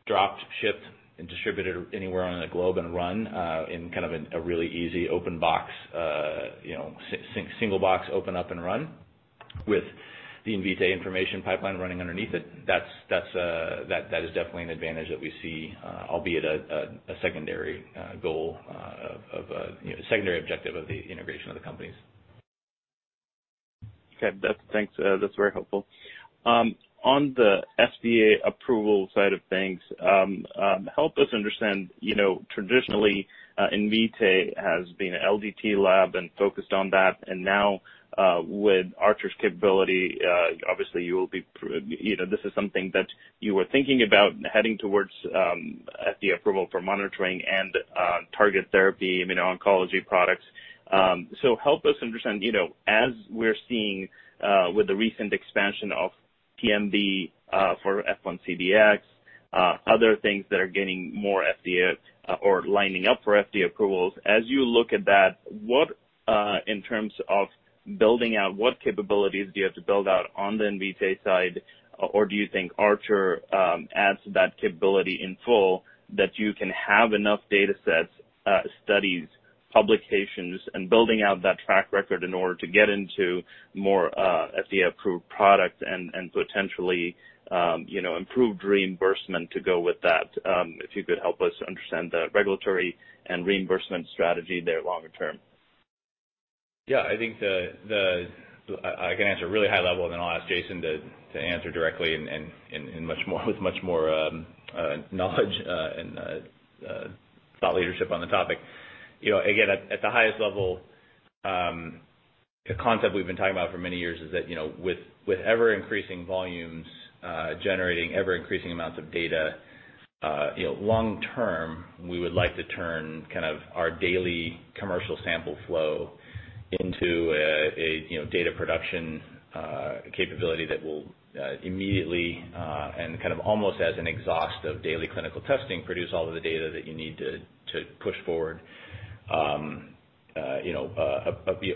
dropped, shipped, and distributed anywhere on the globe and run, in kind of a really easy open box, single box, open up and run with the Invitae information pipeline running underneath it. That is definitely an advantage that we see, albeit a secondary objective of the integration of the companies. Okay. Thanks, that's very helpful. On the FDA approval side of things, help us understand, traditionally, Invitae has been an LDT lab and focused on that, and now, with Archer's capability, obviously, this is something that you were thinking about heading towards FDA approval for monitoring and target therapy immuno-oncology products. Help us understand, as we're seeing with the recent expansion of PMA for F1CDx, other things that are getting more FDA or lining up for FDA approvals, as you look at that, in terms of building out, what capabilities do you have to build out on the Invitae side, or do you think Archer adds that capability in full, that you can have enough data sets, studies, publications, and building out that track record in order to get into more FDA-approved products and potentially improved reimbursement to go with that? If you could help us understand the regulatory and reimbursement strategy there longer term. Yeah, I can answer really high level, and then I'll ask Jason to answer directly and with much more knowledge and thought leadership on the topic. Again, at the highest level, the concept we've been talking about for many years is that, with ever increasing volumes, generating ever increasing amounts of data, long-term, we would like to turn kind of our daily commercial sample flow into a data production capability that will immediately, and kind of almost as an exhaust of daily clinical testing, produce all of the data that you need to push forward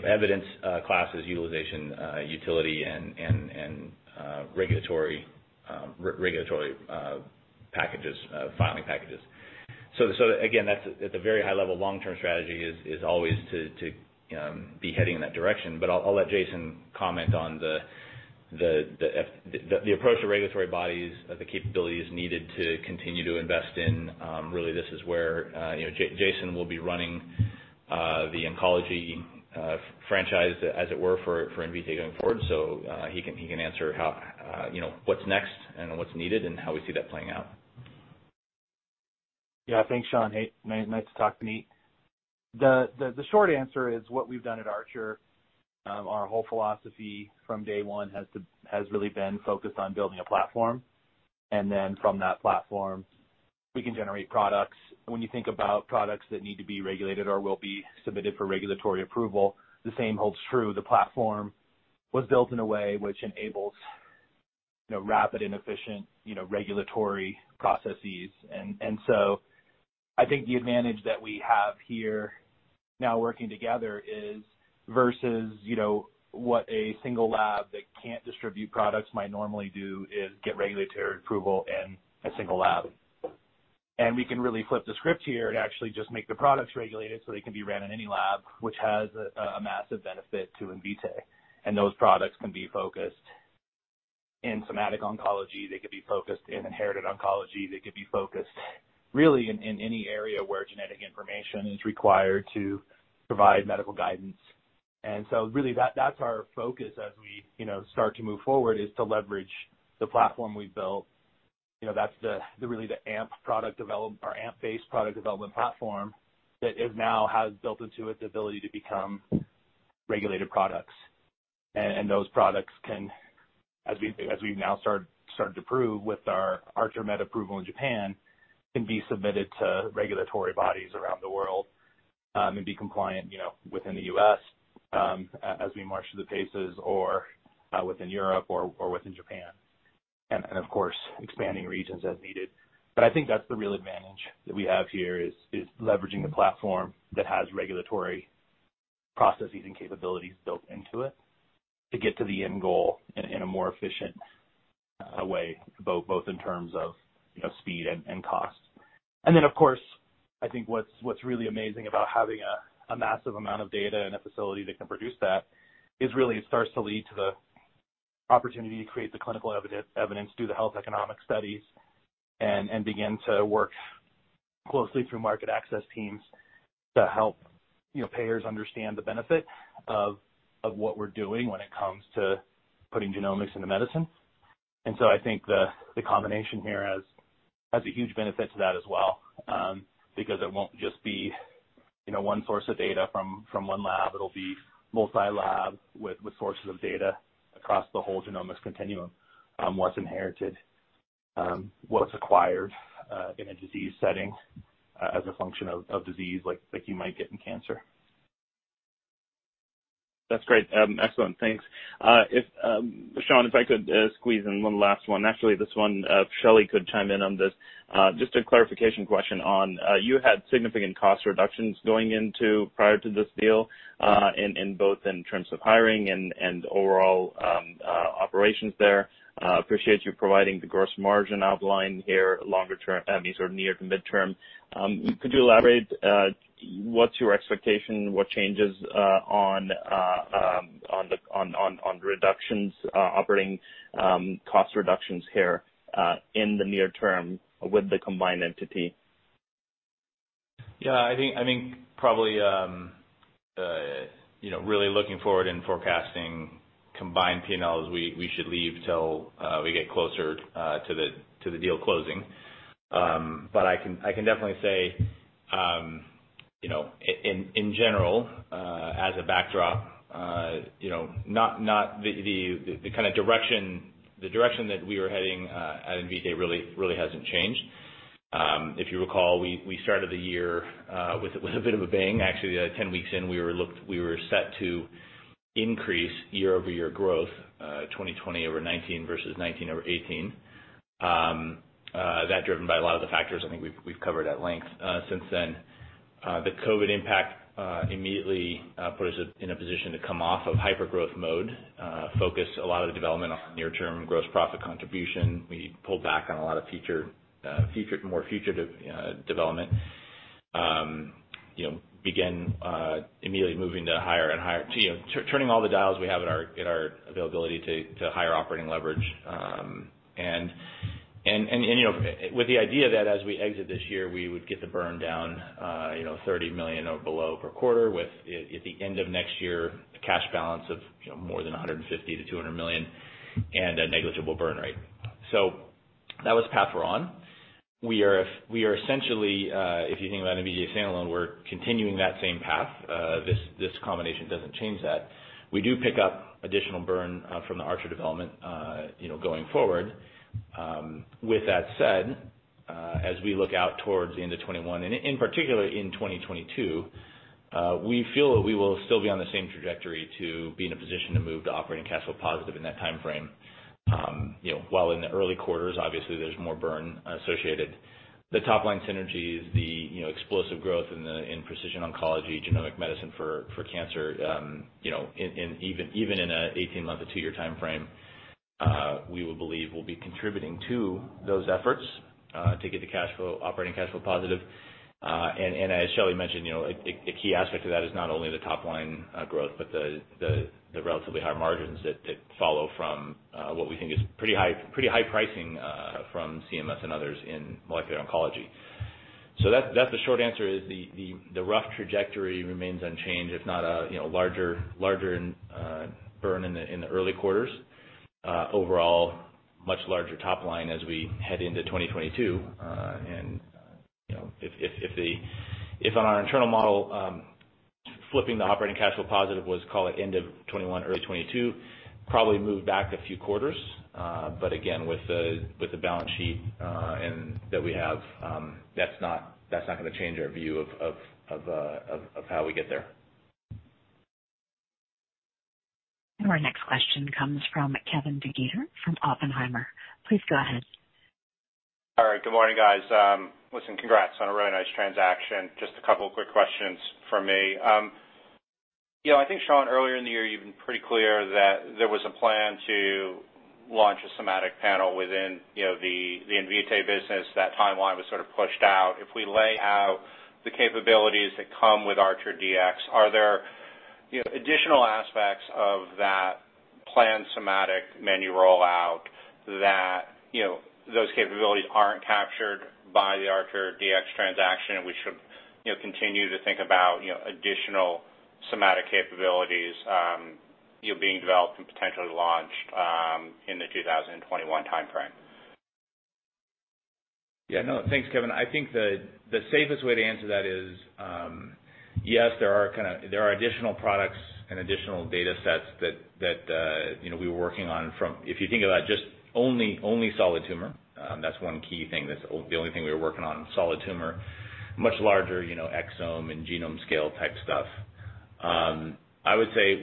evidence classes, utilization, utility and regulatory filing packages. Again, at the very high level, long-term strategy is always to be heading in that direction. I'll let Jason comment on the approach to regulatory bodies, the capabilities needed to continue to invest in, really, this is where Jason will be running the oncology franchise, as it were, for Invitae going forward. He can answer what's next and what's needed and how we see that playing out. Yeah. Thanks, Sean. Hey, nice to talk Puneet. The short answer is what we've done at Archer, our whole philosophy from day one has really been focused on building a platform, and then from that platform, we can generate products. When you think about products that need to be regulated or will be submitted for regulatory approval, the same holds true. The platform was built in a way which enables rapid and efficient regulatory processes. I think the advantage that we have here now working together is, versus what a single lab that can't distribute products might normally do, is get regulatory approval in a single lab. We can really flip the script here and actually just make the products regulated so they can be ran in any lab, which has a massive benefit to Invitae. Those products can be focused in somatic oncology, they could be focused in inherited oncology, they could be focused really in any area where genetic information is required to provide medical guidance. Really that's our focus as we start to move forward, is to leverage the platform we've built. That's really the AMP-based product development platform that now has built into it the ability to become regulated products. Those products can, as we've now started to prove with our ArcherMET approval in Japan, can be submitted to regulatory bodies around the world, and be compliant within the U.S. as we march to the paces or within Europe or within Japan. Of course, expanding regions as needed. I think that's the real advantage that we have here, is leveraging the platform that has regulatory processes and capabilities built into it to get to the end goal in a more efficient way, both in terms of speed and cost. Of course, I think what's really amazing about having a massive amount of data and a facility that can produce that is really it starts to lead to the opportunity to create the clinical evidence, do the health economic studies, and begin to work closely through market access teams to help payers understand the benefit of what we're doing when it comes to putting genomics into medicine. I think the combination here has a huge benefit to that as well, because it won't just be one source of data from one lab. It'll be multi lab with sources of data across the whole genomics continuum, what's inherited, what's acquired in a disease setting as a function of disease like you might get in cancer. That's great. Excellent. Thanks. Sean, if I could squeeze in one last one. Actually, this one, Shelly could chime in on this. Just a clarification question on. You had significant cost reductions going into prior to this deal, in both terms of hiring and overall operations there. Appreciate you providing the gross margin outline here longer term, sort of near to midterm. Could you elaborate what's your expectation? What changes on reductions, operating cost reductions here in the near term with the combined entity? Yeah, I think probably really looking forward in forecasting combined P&Ls, we should leave until we get closer to the deal closing. I can definitely say, in general, as a backdrop, the direction that we are heading at Invitae really hasn't changed. If you recall, we started the year with a bit of a bang. Actually, 10 weeks in, we were set to increase year-over-year growth, 2020 over 2019 versus 2019 over 2018. That driven by a lot of the factors I think we've covered at length since then. The COVID impact immediately put us in a position to come off of hypergrowth mode, focus a lot of the development on near-term gross profit contribution. We pulled back on a lot of more future development. Began immediately moving to turning all the dials we have at our availability to higher operating leverage. With the idea that as we exit this year, we would get the burn down, $30 million or below per quarter with, at the end of next year, a cash balance of more than $150 million-$200 million and a negligible burn rate. That was the path we're on. We are essentially, if you think about Invitae standalone, we're continuing that same path. This combination doesn't change that. We do pick up additional burn from the Archer development going forward. That said, as we look out towards the end of 2021, and in particular in 2022, we feel that we will still be on the same trajectory to be in a position to move to operating cash flow positive in that timeframe. While in the early quarters, obviously, there's more burn associated. The top-line synergies, the explosive growth in precision oncology, genomic medicine for cancer, even in an 18-month to two-year timeframe, we believe will be contributing to those efforts, to get the operating cash flow positive. As Shelly mentioned, a key aspect of that is not only the top-line growth, but the relatively high margins that follow from what we think is pretty high pricing from CMS and others in molecular oncology. That's the short answer, is the rough trajectory remains unchanged, if not a larger burn in the early quarters. Overall, much larger top line as we head into 2022. If on our internal model, flipping the operating cash flow positive was, call it, end of 2021, early 2022, probably moved back a few quarters. Again, with the balance sheet that we have, that's not going to change our view of how we get there. Our next question comes from Kevin DeGeeter from Oppenheimer. Please go ahead. All right. Good morning, guys. Listen, congrats on a really nice transaction. Just a couple of quick questions from me. I think, Sean, earlier in the year, you've been pretty clear that there was a plan to launch a somatic panel within the Invitae business. That timeline was sort of pushed out. If we lay out the capabilities that come with ArcherDX, are there additional aspects of that planned somatic menu rollout that those capabilities aren't captured by the ArcherDX transaction, and we should continue to think about additional somatic capabilities being developed and potentially launched in the 2021 timeframe? Yeah. No, thanks, Kevin. I think the safest way to answer that is, yes, there are additional products and additional data sets that we were working on from If you think about just only solid tumor, that's one key thing, that's the only thing we were working on in solid tumor, much larger exome and genome scale type stuff. I would say,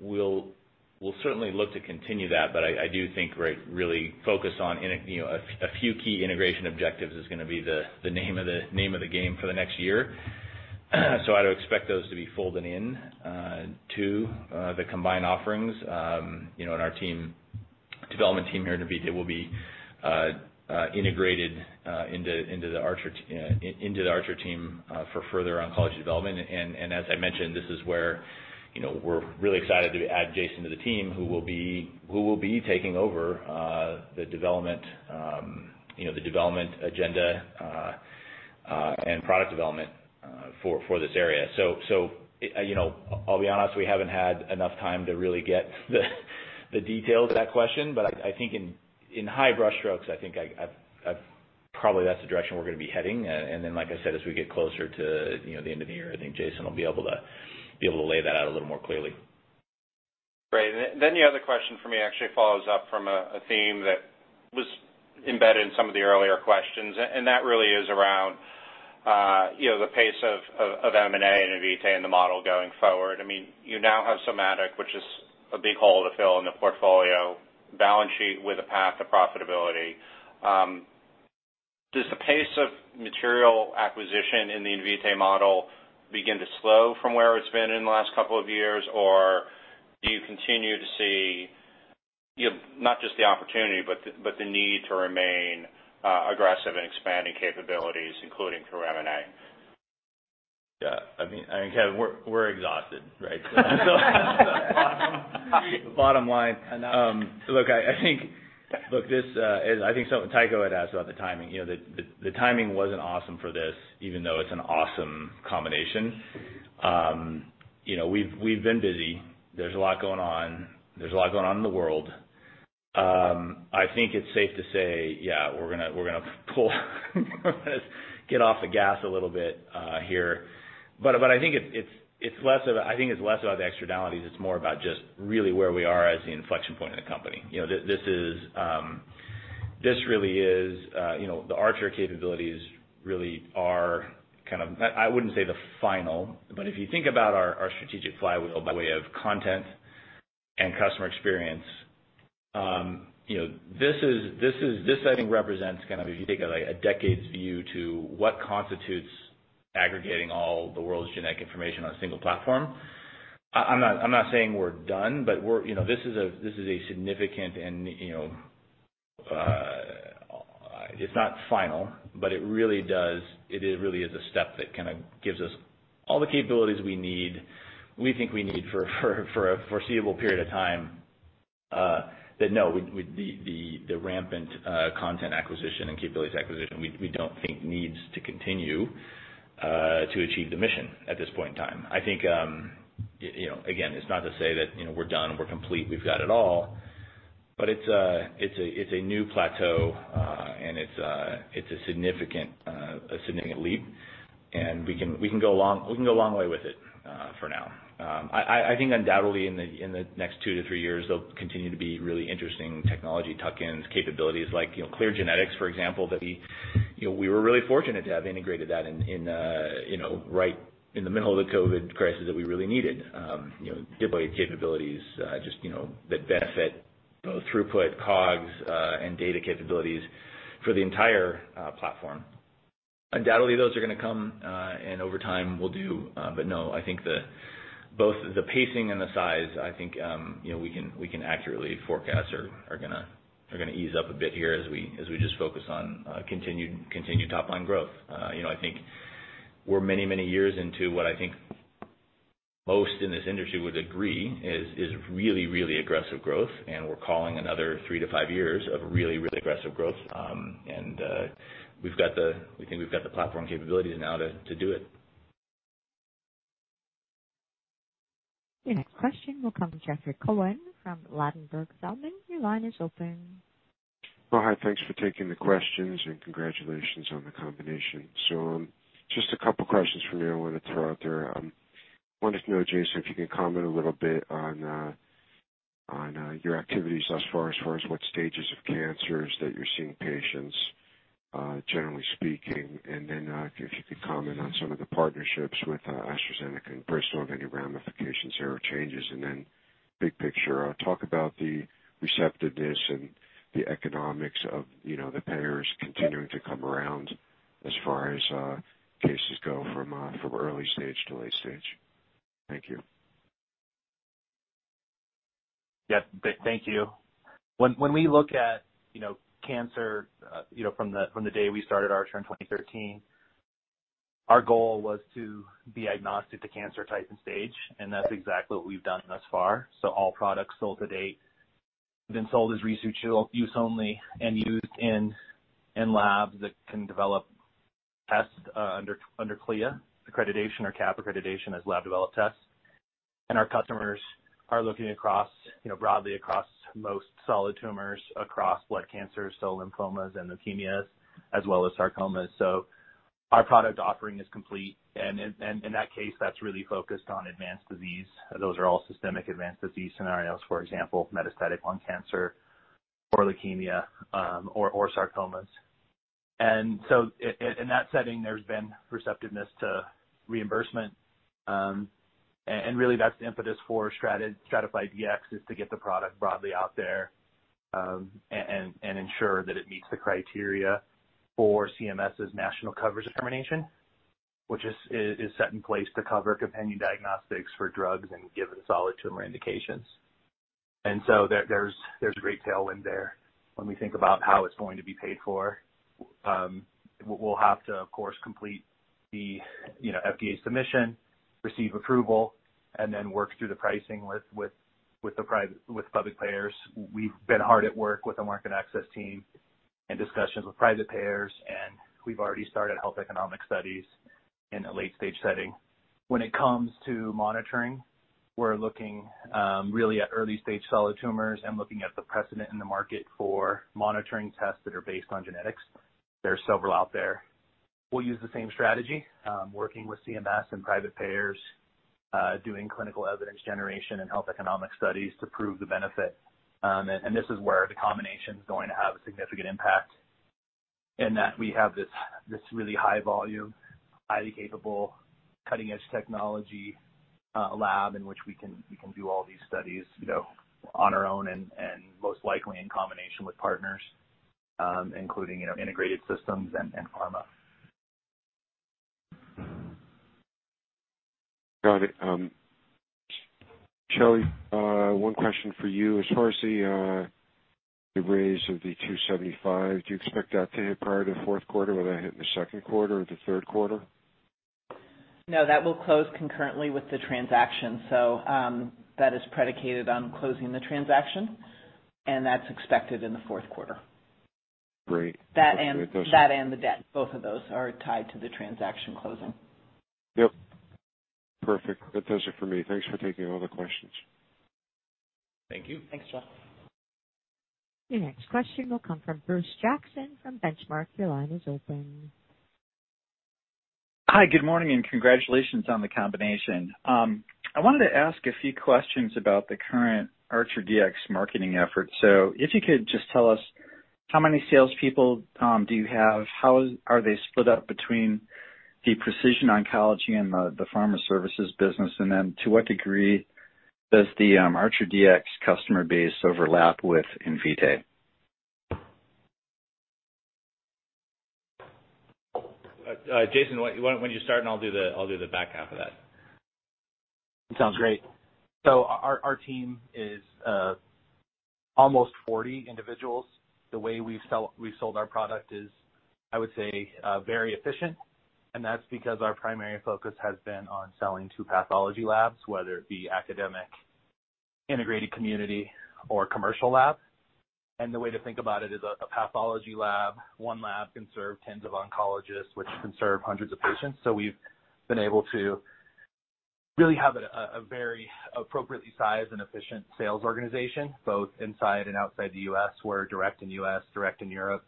we'll certainly look to continue that, but I do think we're really focused on a few key integration objectives is going to be the name of the game for the next year. I'd expect those to be folded in to the combined offerings, and our development team here at Invitae will be integrated into the Archer team for further oncology development. As I mentioned, this is where we're really excited to add Jason to the team who will be taking over the development agenda and product development for this area. I'll be honest, we haven't had enough time to really get the details of that question, but I think in high brush strokes, I think probably that's the direction we're going to be heading. Then, like I said, as we get closer to the end of the year, I think Jason will be able to lay that out a little more clearly. Great. The other question for me actually follows up from a theme that was embedded in some of the earlier questions, and that really is around the pace of M&A and Invitae and the model going forward. You now have Somatic, which is a big hole to fill in the portfolio, balance sheet with a path to profitability. Does the pace of material acquisition in the Invitae model begin to slow from where it's been in the last couple of years, or do you continue to see, not just the opportunity, but the need to remain aggressive in expanding capabilities, including through M&A? Kevin, we're exhausted, right? Bottom line. Look, I think Tycho had asked about the timing. The timing wasn't awesome for this, even though it's an awesome combination. We've been busy. There's a lot going on. There's a lot going on in the world. I think it's safe to say, yeah, we're going to get off the gas a little bit here. I think it's less about the externalities, it's more about just really where we are as the inflection point in the company. The Archer capabilities really are, I wouldn't say the final, but if you think about our strategic flywheel by way of content and customer experience, this I think represents kind of if you take a decade's view to what constitutes aggregating all the world's genetic information on a single platform. I'm not saying we're done, but this is a significant and it's not final, but it really is a step that kind of gives us all the capabilities we think we need for a foreseeable period of time. No, the rampant content acquisition and capabilities acquisition, we don't think needs to continue to achieve the mission at this point in time. Again, it's not to say that we're done, we're complete, we've got it all, but it's a new plateau, and it's a significant leap, and we can go a long way with it for now. Undoubtedly in the next two to three years, there'll continue to be really interesting technology tuck-ins, capabilities like Clear Genetics, for example, that we were really fortunate to have integrated that right in the middle of the COVID crisis that we really needed. Deploy capabilities, just that benefit both throughput, COGS, and data capabilities for the entire platform. Undoubtedly, those are going to come, and over time, we'll do. No, I think both the pacing and the size, I think we can accurately forecast are going to ease up a bit here as we just focus on continued top-line growth. I think we're many years into what I think most in this industry would agree is really aggressive growth, and we're calling another three to five years of really aggressive growth. We think we've got the platform capabilities now to do it. Your next question will come from Jeffrey Cohen from Ladenburg Thalmann. Your line is open. Oh, hi. Thanks for taking the questions and congratulations on the combination. Just a couple of questions from me I want to throw out there. I wanted to know, Jason, if you can comment a little bit on your activities thus far as far as what stages of cancers that you're seeing patients, generally speaking. If you could comment on some of the partnerships with AstraZeneca and Bristol and any ramifications there or changes. Big picture, talk about the receptiveness and the economics of the payers continuing to come around as far as cases go from early stage to late stage. Thank you. Yes. Thank you. When we look at cancer from the day we started Archer in 2013, our goal was to be agnostic to cancer type and stage, that's exactly what we've done thus far. All products sold to date have been sold as research use only and used in labs that can develop tests under CLIA accreditation or CAP accreditation as lab-developed tests. Our customers are looking broadly across most solid tumors, across blood cancers, so lymphomas and leukemias, as well as sarcomas. Our product offering is complete, and in that case, that's really focused on advanced disease. Those are all systemic advanced disease scenarios, for example, metastatic lung cancer or leukemia or sarcomas. In that setting, there's been receptiveness to reimbursement. Really that's the impetus for STRATAFIDE, is to get the product broadly out there and ensure that it meets the criteria for CMS's national coverage determination, which is set in place to cover companion diagnostics for drugs and given solid tumor indications. There's a great tailwind there when we think about how it's going to be paid for. We'll have to, of course, complete the FDA submission, receive approval, and then work through the pricing with public payers. We've been hard at work with the market access team in discussions with private payers, and we've already started health economic studies in a late-stage setting. When it comes to monitoring, we're looking really at early-stage solid tumors and looking at the precedent in the market for monitoring tests that are based on genetics. There are several out there. We'll use the same strategy, working with CMS and private payers, doing clinical evidence generation and health economic studies to prove the benefit. This is where the combination's going to have a significant impact in that we have this really high volume, highly capable, cutting-edge technology lab in which we can do all these studies on our own and most likely in combination with partners, including integrated systems and pharma. Got it. Shelly, one question for you. As far as the raise of the $275, do you expect that to hit prior to the fourth quarter? Will that hit in the second quarter or the third quarter? No, that will close concurrently with the transaction. That is predicated on closing the transaction, and that's expected in the fourth quarter. Great. That and the debt, both of those are tied to the transaction closing. Yep. Perfect. That does it for me. Thanks for taking all the questions. Thank you. Thanks, Jeff. Your next question will come from Bruce Jackson from Benchmark. Your line is open. Hi, good morning, and congratulations on the combination. I wanted to ask a few questions about the current ArcherDX marketing efforts. If you could just tell us how many salespeople do you have, how are they split up between the precision oncology and the pharma services business? Then to what degree does the ArcherDX customer base overlap with Invitae? Jason, why don't you start and I'll do the back half of that. Sounds great. Our team is almost 40 individuals. The way we've sold our product is, I would say, very efficient, and that's because our primary focus has been on selling to pathology labs, whether it be academic, integrated community, or commercial labs. The way to think about it is a pathology lab. One lab can serve tens of oncologists, which can serve hundreds of patients. We've been able to really have a very appropriately sized and efficient sales organization, both inside and outside the U.S. We're direct in U.S., direct in Europe,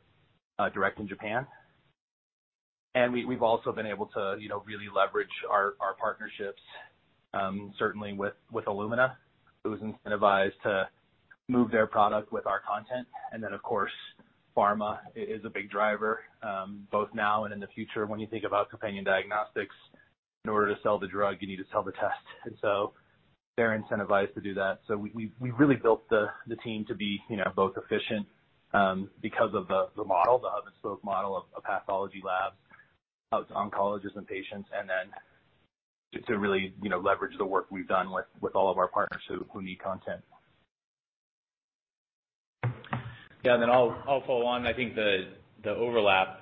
direct in Japan. We've also been able to really leverage our partnerships, certainly with Illumina, who is incentivized to move their product with our content. Of course, pharma is a big driver, both now and in the future. When you think about companion diagnostics, in order to sell the drug, you need to sell the test. They're incentivized to do that. We really built the team to be both efficient because of the hub-and-spoke model of pathology labs, oncologists, and patients, and then to really leverage the work we've done with all of our partners who need content. Yeah. I'll follow on. I think the overlap,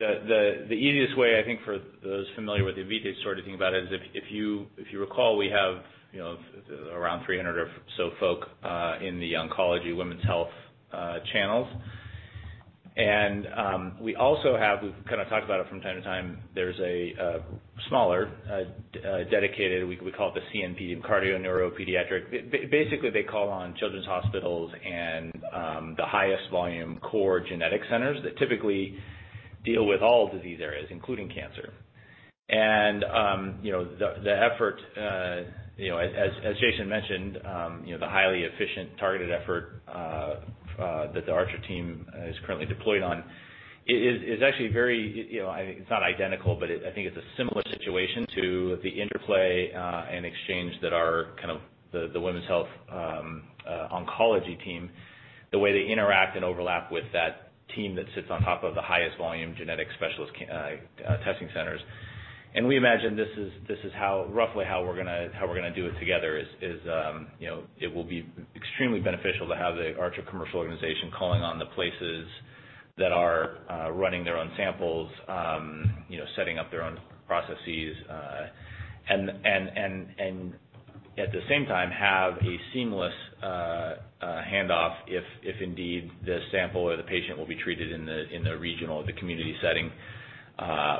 the easiest way, I think, for those familiar with Invitae to sort of think about it is, if you recall, we have around 300 or so folk in the oncology women's health channels. We also have, we've kind of talked about it from time to time, there's a smaller dedicated, we call it the CNP, cardio neuro pediatric. Basically, they call on children's hospitals and the highest volume core genetic centers that typically deal with all disease areas, including cancer. The effort, as Jason mentioned, the highly efficient targeted effort that the Archer team is currently deployed on is actually not identical, but I think it's a similar situation to the interplay and exchange that our kind of the women's health oncology team, the way they interact and overlap with that team that sits on top of the highest volume genetic specialist testing centers. We imagine this is roughly how we're going to do it together, is it will be extremely beneficial to have the Archer commercial organization calling on the places that are running their own samples, setting up their own processes. At the same time, have a seamless handoff if indeed the sample or the patient will be treated in the regional or the community setting,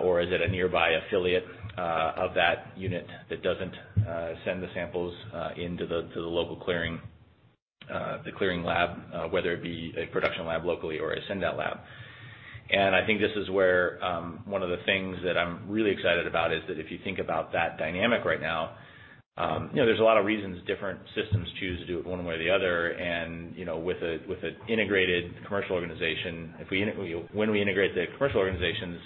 or is it a nearby affiliate of that unit that doesn't send the samples into the local clearing lab, whether it be a production lab locally or a send-out lab. I think this is where one of the things that I'm really excited about is that if you think about that dynamic right now, there's a lot of reasons different systems choose to do it one way or the other. With an integrated commercial organization, when we integrate the commercial organizations,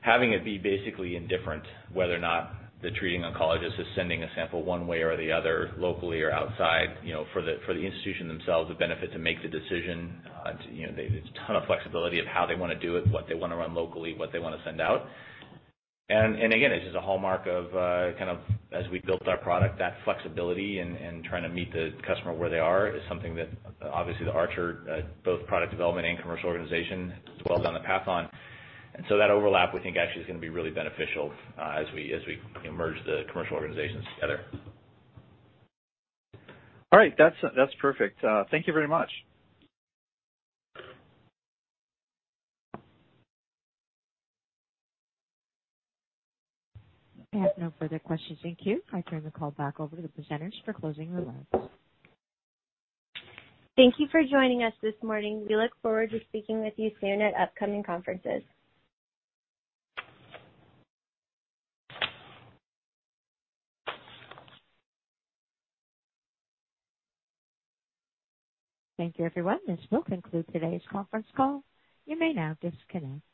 having it be basically indifferent whether or not the treating oncologist is sending a sample one way or the other, locally or outside, for the institution themselves, the benefit to make the decision, there's a ton of flexibility of how they want to do it, what they want to run locally, what they want to send out. Again, this is a hallmark of kind of, as we built our product, that flexibility and trying to meet the customer where they are, is something that obviously the Archer both product development and commercial organization dwells on the path on. That overlap, we think actually is going to be really beneficial as we merge the commercial organizations together. All right. That's perfect. Thank you very much. I have no further questions. Thank you. I turn the call back over to the presenters for closing remarks. Thank you for joining us this morning. We look forward to speaking with you soon at upcoming conferences. Thank you, everyone. This will conclude today's conference call. You may now disconnect.